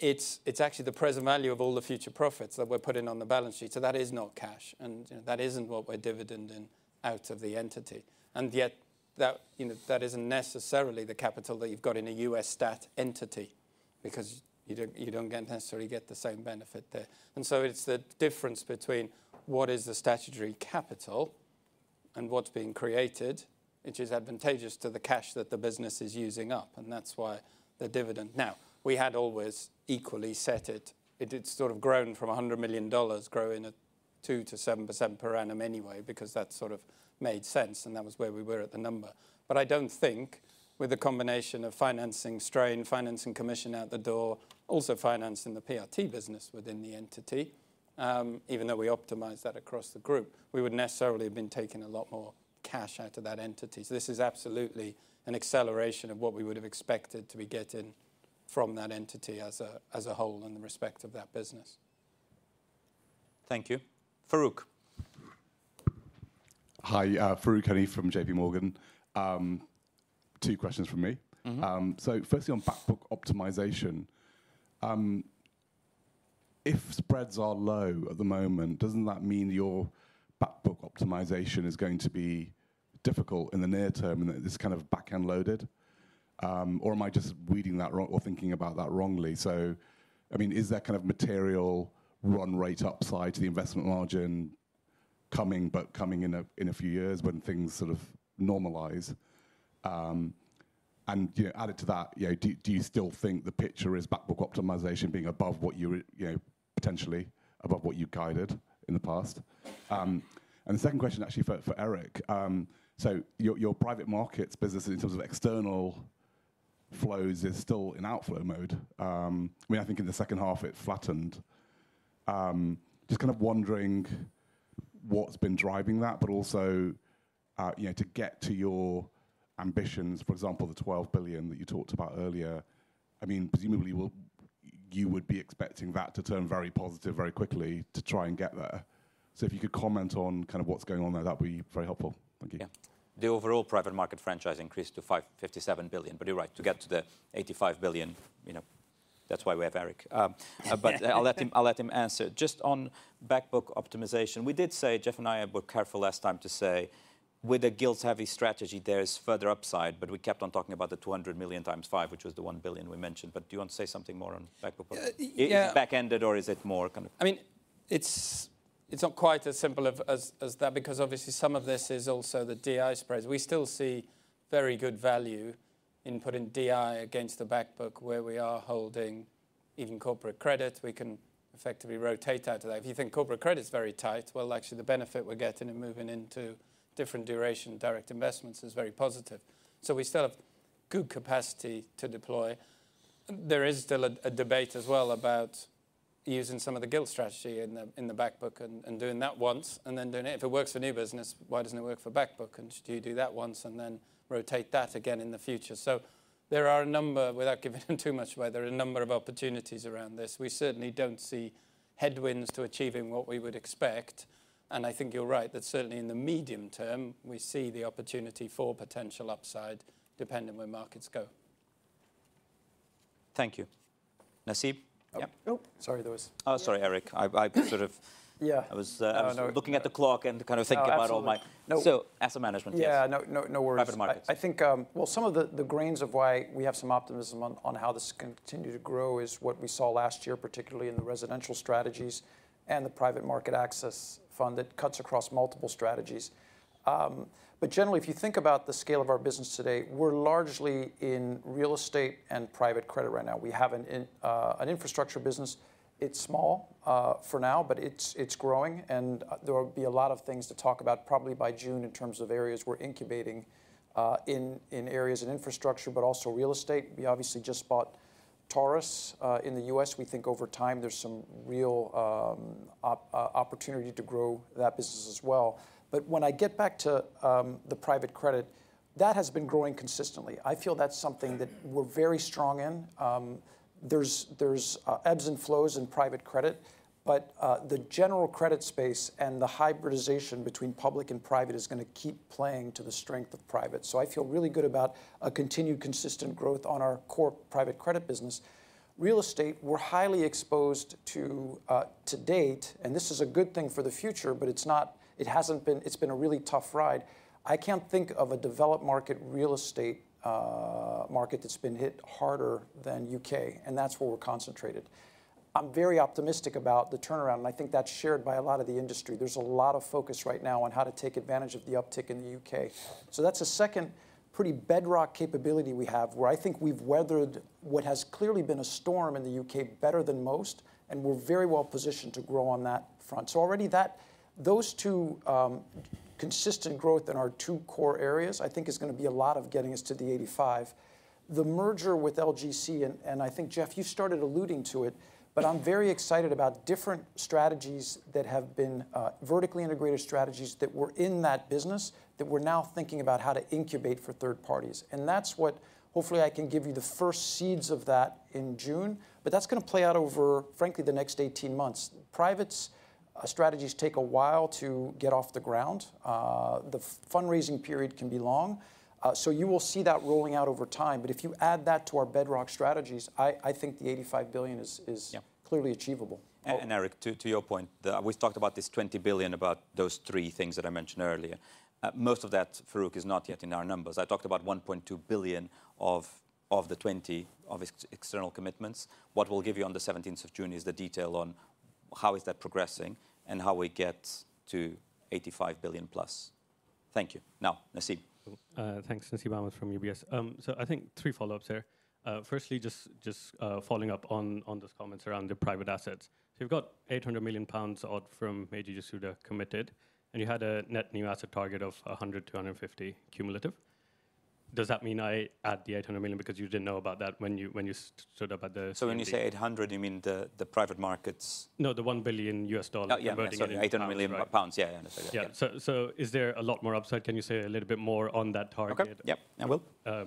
it's actually the present value of all the future profits that we're putting on the balance sheet. That is not cash. That isn't what we're dividending out of the entity. Yet that isn't necessarily the capital that you've got in a U.S. stat entity because you don't necessarily get the same benefit there. It's the difference between what is the statutory capital and what's being created, which is advantageous to the cash that the business is using up. That is why the dividend. Now, we had always equally set it. It had sort of grown from $100 million growing at 2%-7% per annum anyway because that sort of made sense. That was where we were at the number. I do not think with the combination of financing strain, financing commission out the door, also financing the PRT business within the entity, even though we optimized that across the group, we would necessarily have been taking a lot more cash out of that entity. This is absolutely an acceleration of what we would have expected to be getting from that entity as a whole in the respect of that business. Thank you. Farooq. Hi, Farooq Hanif from JPMorgan. Two questions from me. Firstly on back-book optimization. If spreads are low at the moment, does not that mean your back-book optimization is going to be difficult in the near term and this kind of backend loaded? Am I just reading that wrong or thinking about that wrongly? I mean, is there kind of material run rate upside to the investment margin coming, but coming in a few years when things sort of normalize? Added to that, do you still think the picture is back-book optimization being above what you potentially above what you guided in the past? The second question actually for Eric. Your private markets business in terms of external flows is still in outflow mode. I think in the second half it flattened. Just kind of wondering what has been driving that, but also to get to your ambitions, for example, the 12 billion that you talked about earlier. I mean, presumably you would be expecting that to turn very positive very quickly to try and get there. If you could comment on kind of what's going on there, that would be very helpful. Thank you. Yeah. The overall private market franchise increased to 57 billion, but you're right to get to the 85 billion. That's why we have Eric. I will let him answer. Just on back-book optimization, we did say, Jeff and I were careful last time to say with a gilt-heavy strategy, there's further upside, but we kept on talking about the 200 million times five, which was the 1 billion we mentioned. Do you want to say something more on back-book? Back-ended or is it more kind of? I mean, it's not quite as simple as that because obviously some of this is also the DI spreads. We still see very good value in putting DI against the back-book where we are holding even corporate credit. We can effectively rotate out of that. If you think corporate credit is very tight, actually the benefit we are getting and moving into different duration direct investments is very positive. We still have good capacity to deploy. There is still a debate as well about using some of the gilt strategy in the back-book and doing that once and then doing it. If it works for new business, why does it not work for back-book? Do you do that once and then rotate that again in the future? There are a number, without giving too much away, there are a number of opportunities around this. We certainly do not see headwinds to achieving what we would expect. I think you're right that certainly in the medium term, we see the opportunity for potential upside depending where markets go. Thank you. Nasib? Yeah. Oh, sorry, there was. Oh, sorry, Eric. I sort of was looking at the clock and kind of thinking about all my. Asset Management, yes. Yeah, no worries. Private markets. I think, some of the grains of why we have some optimism on how this can continue to grow is what we saw last year, particularly in the residential strategies and the Private Market Access Fund that cuts across multiple strategies. Generally, if you think about the scale of our business today, we're largely in Real Estate and private credit right now. We have an infrastructure business. It's small for now, but it's growing. There will be a lot of things to talk about probably by June in terms of areas we're incubating in areas in infrastructure, but also Real Estate. We obviously just bought Taurus in the U.S. We think over time there's some real opportunity to grow that business as well. When I get back to the private credit, that has been growing consistently. I feel that's something that we're very strong in. There's ebbs and flows in private credit, but the general credit space and the hybridization between public and private is going to keep playing to the strength of private. I feel really good about a continued consistent growth on our core private credit business. Real Estate, we're highly exposed to to date, and this is a good thing for the future, but it's not, it hasn't been, it's been a really tough ride. I can't think of a developed market Real Estate market that's been hit harder than the U.K., and that's where we're concentrated. I'm very optimistic about the turnaround, and I think that's shared by a lot of the industry. There's a lot of focus right now on how to take advantage of the uptick in the U.K. That's a second pretty bedrock capability we have where I think we've weathered what has clearly been a storm in the U.K. better than most, and we're very well positioned to grow on that front. Already, those two consistent growth in our two core areas, I think is going to be a lot of getting us to the 85. The merger with LGC, and I think Jeff, you started alluding to it, but I'm very excited about different strategies that have been vertically integrated strategies that were in that business that we're now thinking about how to incubate for third parties. That is what hopefully I can give you the first seeds of in June, but that is going to play out over, frankly, the next 18 months. Private strategies take a while to get off the ground. The fundraising period can be long. You will see that rolling out over time. If you add that to our bedrock strategies, I think the 85 billion is clearly achievable. Eric, to your point, we've talked about this 20 billion, about those three things that I mentioned earlier. Most of that, Farooq, is not yet in our numbers. I talked about 1.2 billion of the 20 of external commitments. What we will give you on the 17th of June is the detail on how is that progressing and how we get to 85 billion plus. Thank you. Now, Nasib. Thanks, Nasib Ahmed from UBS. I think three follow-ups here. Firstly, just following up on those comments around the private assets. You have got 800 million pounds odd from Meiji Yasuda committed, and you had a net new asset target of 100, 250 cumulative. Does that mean I add the 800 million because you did not know about that when you stood up at the? When you say 800, you mean the private markets? No, the $1 billion converting. Oh, yeah, 800 million pounds. Yeah, yeah. Is there a lot more upside? Can you say a little bit more on that target? Yep, I will.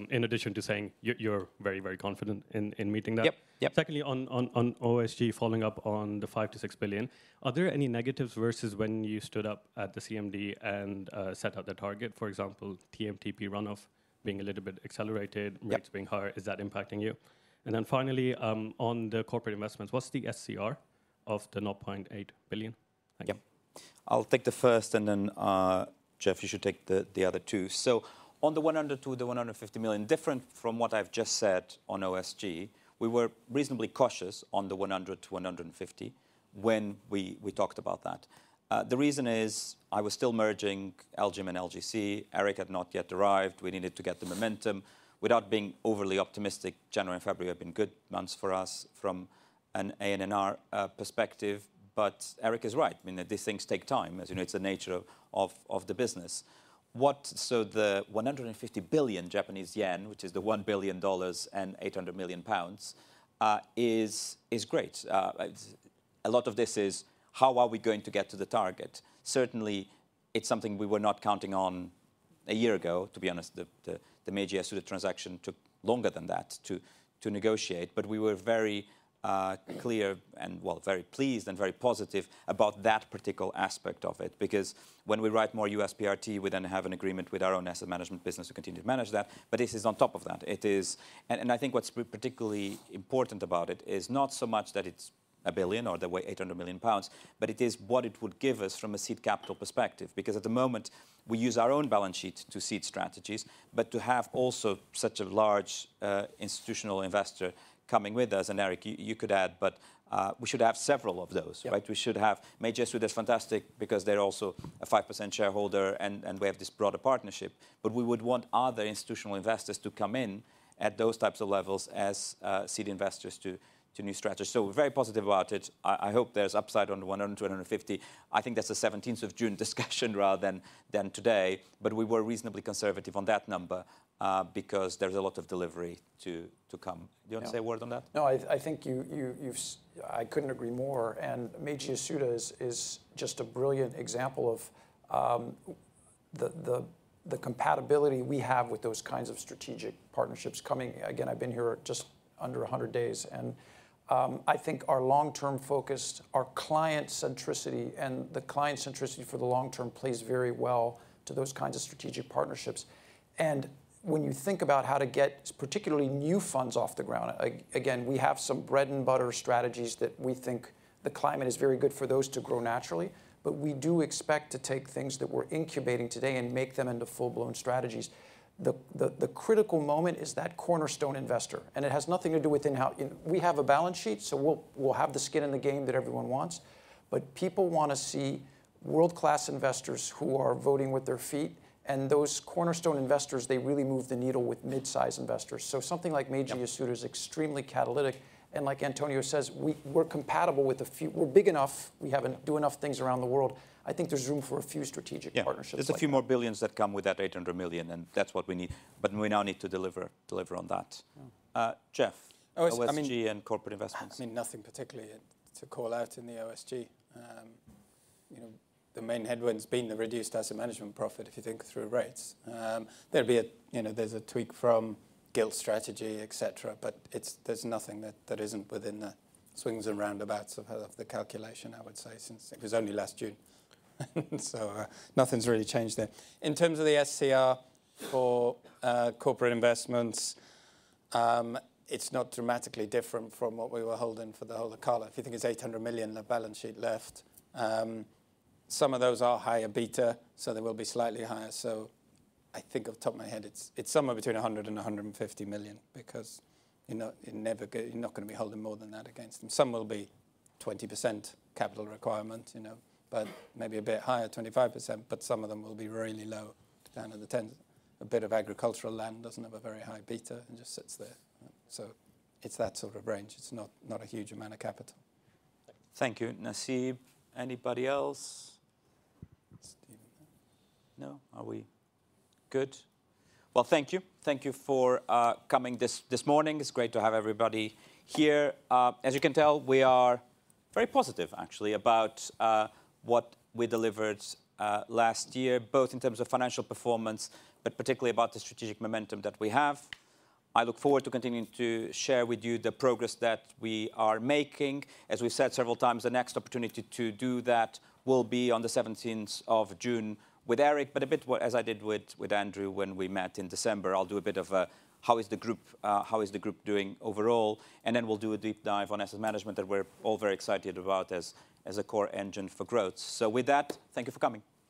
In addition to saying you're very, very confident in meeting that. Secondly, on OSG, following up on the 5 billion-6 billion, are there any negatives versus when you stood up at the CMD and set out the target, for example, TMTP runoff being a little bit accelerated, rates being higher, is that impacting you? Finally, on the corporate investments, what's the SCR of the 0.8 billion? Thank you. I'll take the first, and then Jeff, you should take the other two. On the 100 million-150 million, different from what I've just said on OSG, we were reasonably cautious on the 100 million-150 million when we talked about that. The reason is I was still merging LGM and LGC. Eric had not yet arrived. We needed to get the momentum. Without being overly optimistic, January and February have been good months for us from an ANNR perspective. Eric is right. I mean, these things take time. It is the nature of the business. What? The 150 billion Japanese yen, which is the $1 billion and 800 million pounds, is great. A lot of this is how are we going to get to the target? Certainly, it is something we were not counting on a year ago. To be honest, the Meiji Yasuda transaction took longer than that to negotiate. We were very clear and, I mean, very pleased and very positive about that particular aspect of it. Because when we write more U.S. PRT, we then have an agreement with our own Asset Management business to continue to manage that. This is on top of that. I think what is particularly important about it is not so much that it is a billion or the 800 million pounds, but it is what it would give us from a seed capital perspective. Because at the moment, we use our own balance sheet to seed strategies, but to have also such a large institutional investor coming with us. Eric, you could add, but we should have several of those, right? We should have Meiji Yasuda, which is fantastic because they are also a 5% shareholder and we have this broader partnership. We would want other institutional investors to come in at those types of levels as seed investors to new strategies. We are very positive about it. I hope there is upside on the 100 million-150 million. I think that is a 17th of June discussion rather than today. We were reasonably conservative on that number because there's a lot of delivery to come. Do you want to say a word on that? No, I think you've, I couldn't agree more. And Meiji Yasuda is just a brilliant example of the compatibility we have with those kinds of strategic partnerships coming. Again, I've been here just under 100 days. I think our long-term focus, our client centricity and the client centricity for the long-term plays very well to those kinds of strategic partnerships. When you think about how to get particularly new funds off the ground, again, we have some bread and butter strategies that we think the climate is very good for those to grow naturally. We do expect to take things that we're incubating today and make them into full-blown strategies. The critical moment is that cornerstone investor. It has nothing to do with in-house. We have a balance sheet, so we'll have the skin in the game that everyone wants. People want to see world-class investors who are voting with their feet. Those cornerstone investors really move the needle with mid-size investors. Something like Meiji Yasuda is extremely catalytic. Like António says, we're compatible with a few, we're big enough, we do enough things around the world. I think there's room for a few strategic partnerships. There are a few more billions that come with that 800 million, and that's what we need. We now need to deliver on that. Jeff, OSG and corporate investments. I mean, nothing particularly to call out in the OSG. The main headwind has been the reduced Asset Management profit, if you think through rates. There will be a tweak from gilt strategy, etc. There is nothing that is not within the swings and roundabouts of the calculation, I would say, since it was only last June. Nothing has really changed there. In terms of the SCR for corporate investments, it is not dramatically different from what we were holding for the whole of CALA. If you think it is 800 million, the balance sheet left, some of those are higher beta, so they will be slightly higher. I think off the top of my head, it is somewhere between 100 million and 150 million because you are not going to be holding more than that against them. Some will be 20% capital requirement, but maybe a bit higher, 25%, but some of them will be really low down at the tens. A bit of agricultural land does not have a very high beta and just sits there. It is that sort of range. It's not a huge amount of capital. Thank you. Nasib, anybody else? No? Are we good? Thank you. Thank you for coming this morning. It's great to have everybody here. As you can tell, we are very positive, actually, about what we delivered last year, both in terms of financial performance, but particularly about the strategic momentum that we have. I look forward to continuing to share with you the progress that we are making. As we've said several times, the next opportunity to do that will be on the 17th of June with Eric, a bit as I did with Andrew when we met in December. I'll do a bit of a, how is the group, how is the group doing overall? Then we'll do a deep dive on Asset Management that we're all very excited about as a core engine for growth. Thank you for coming.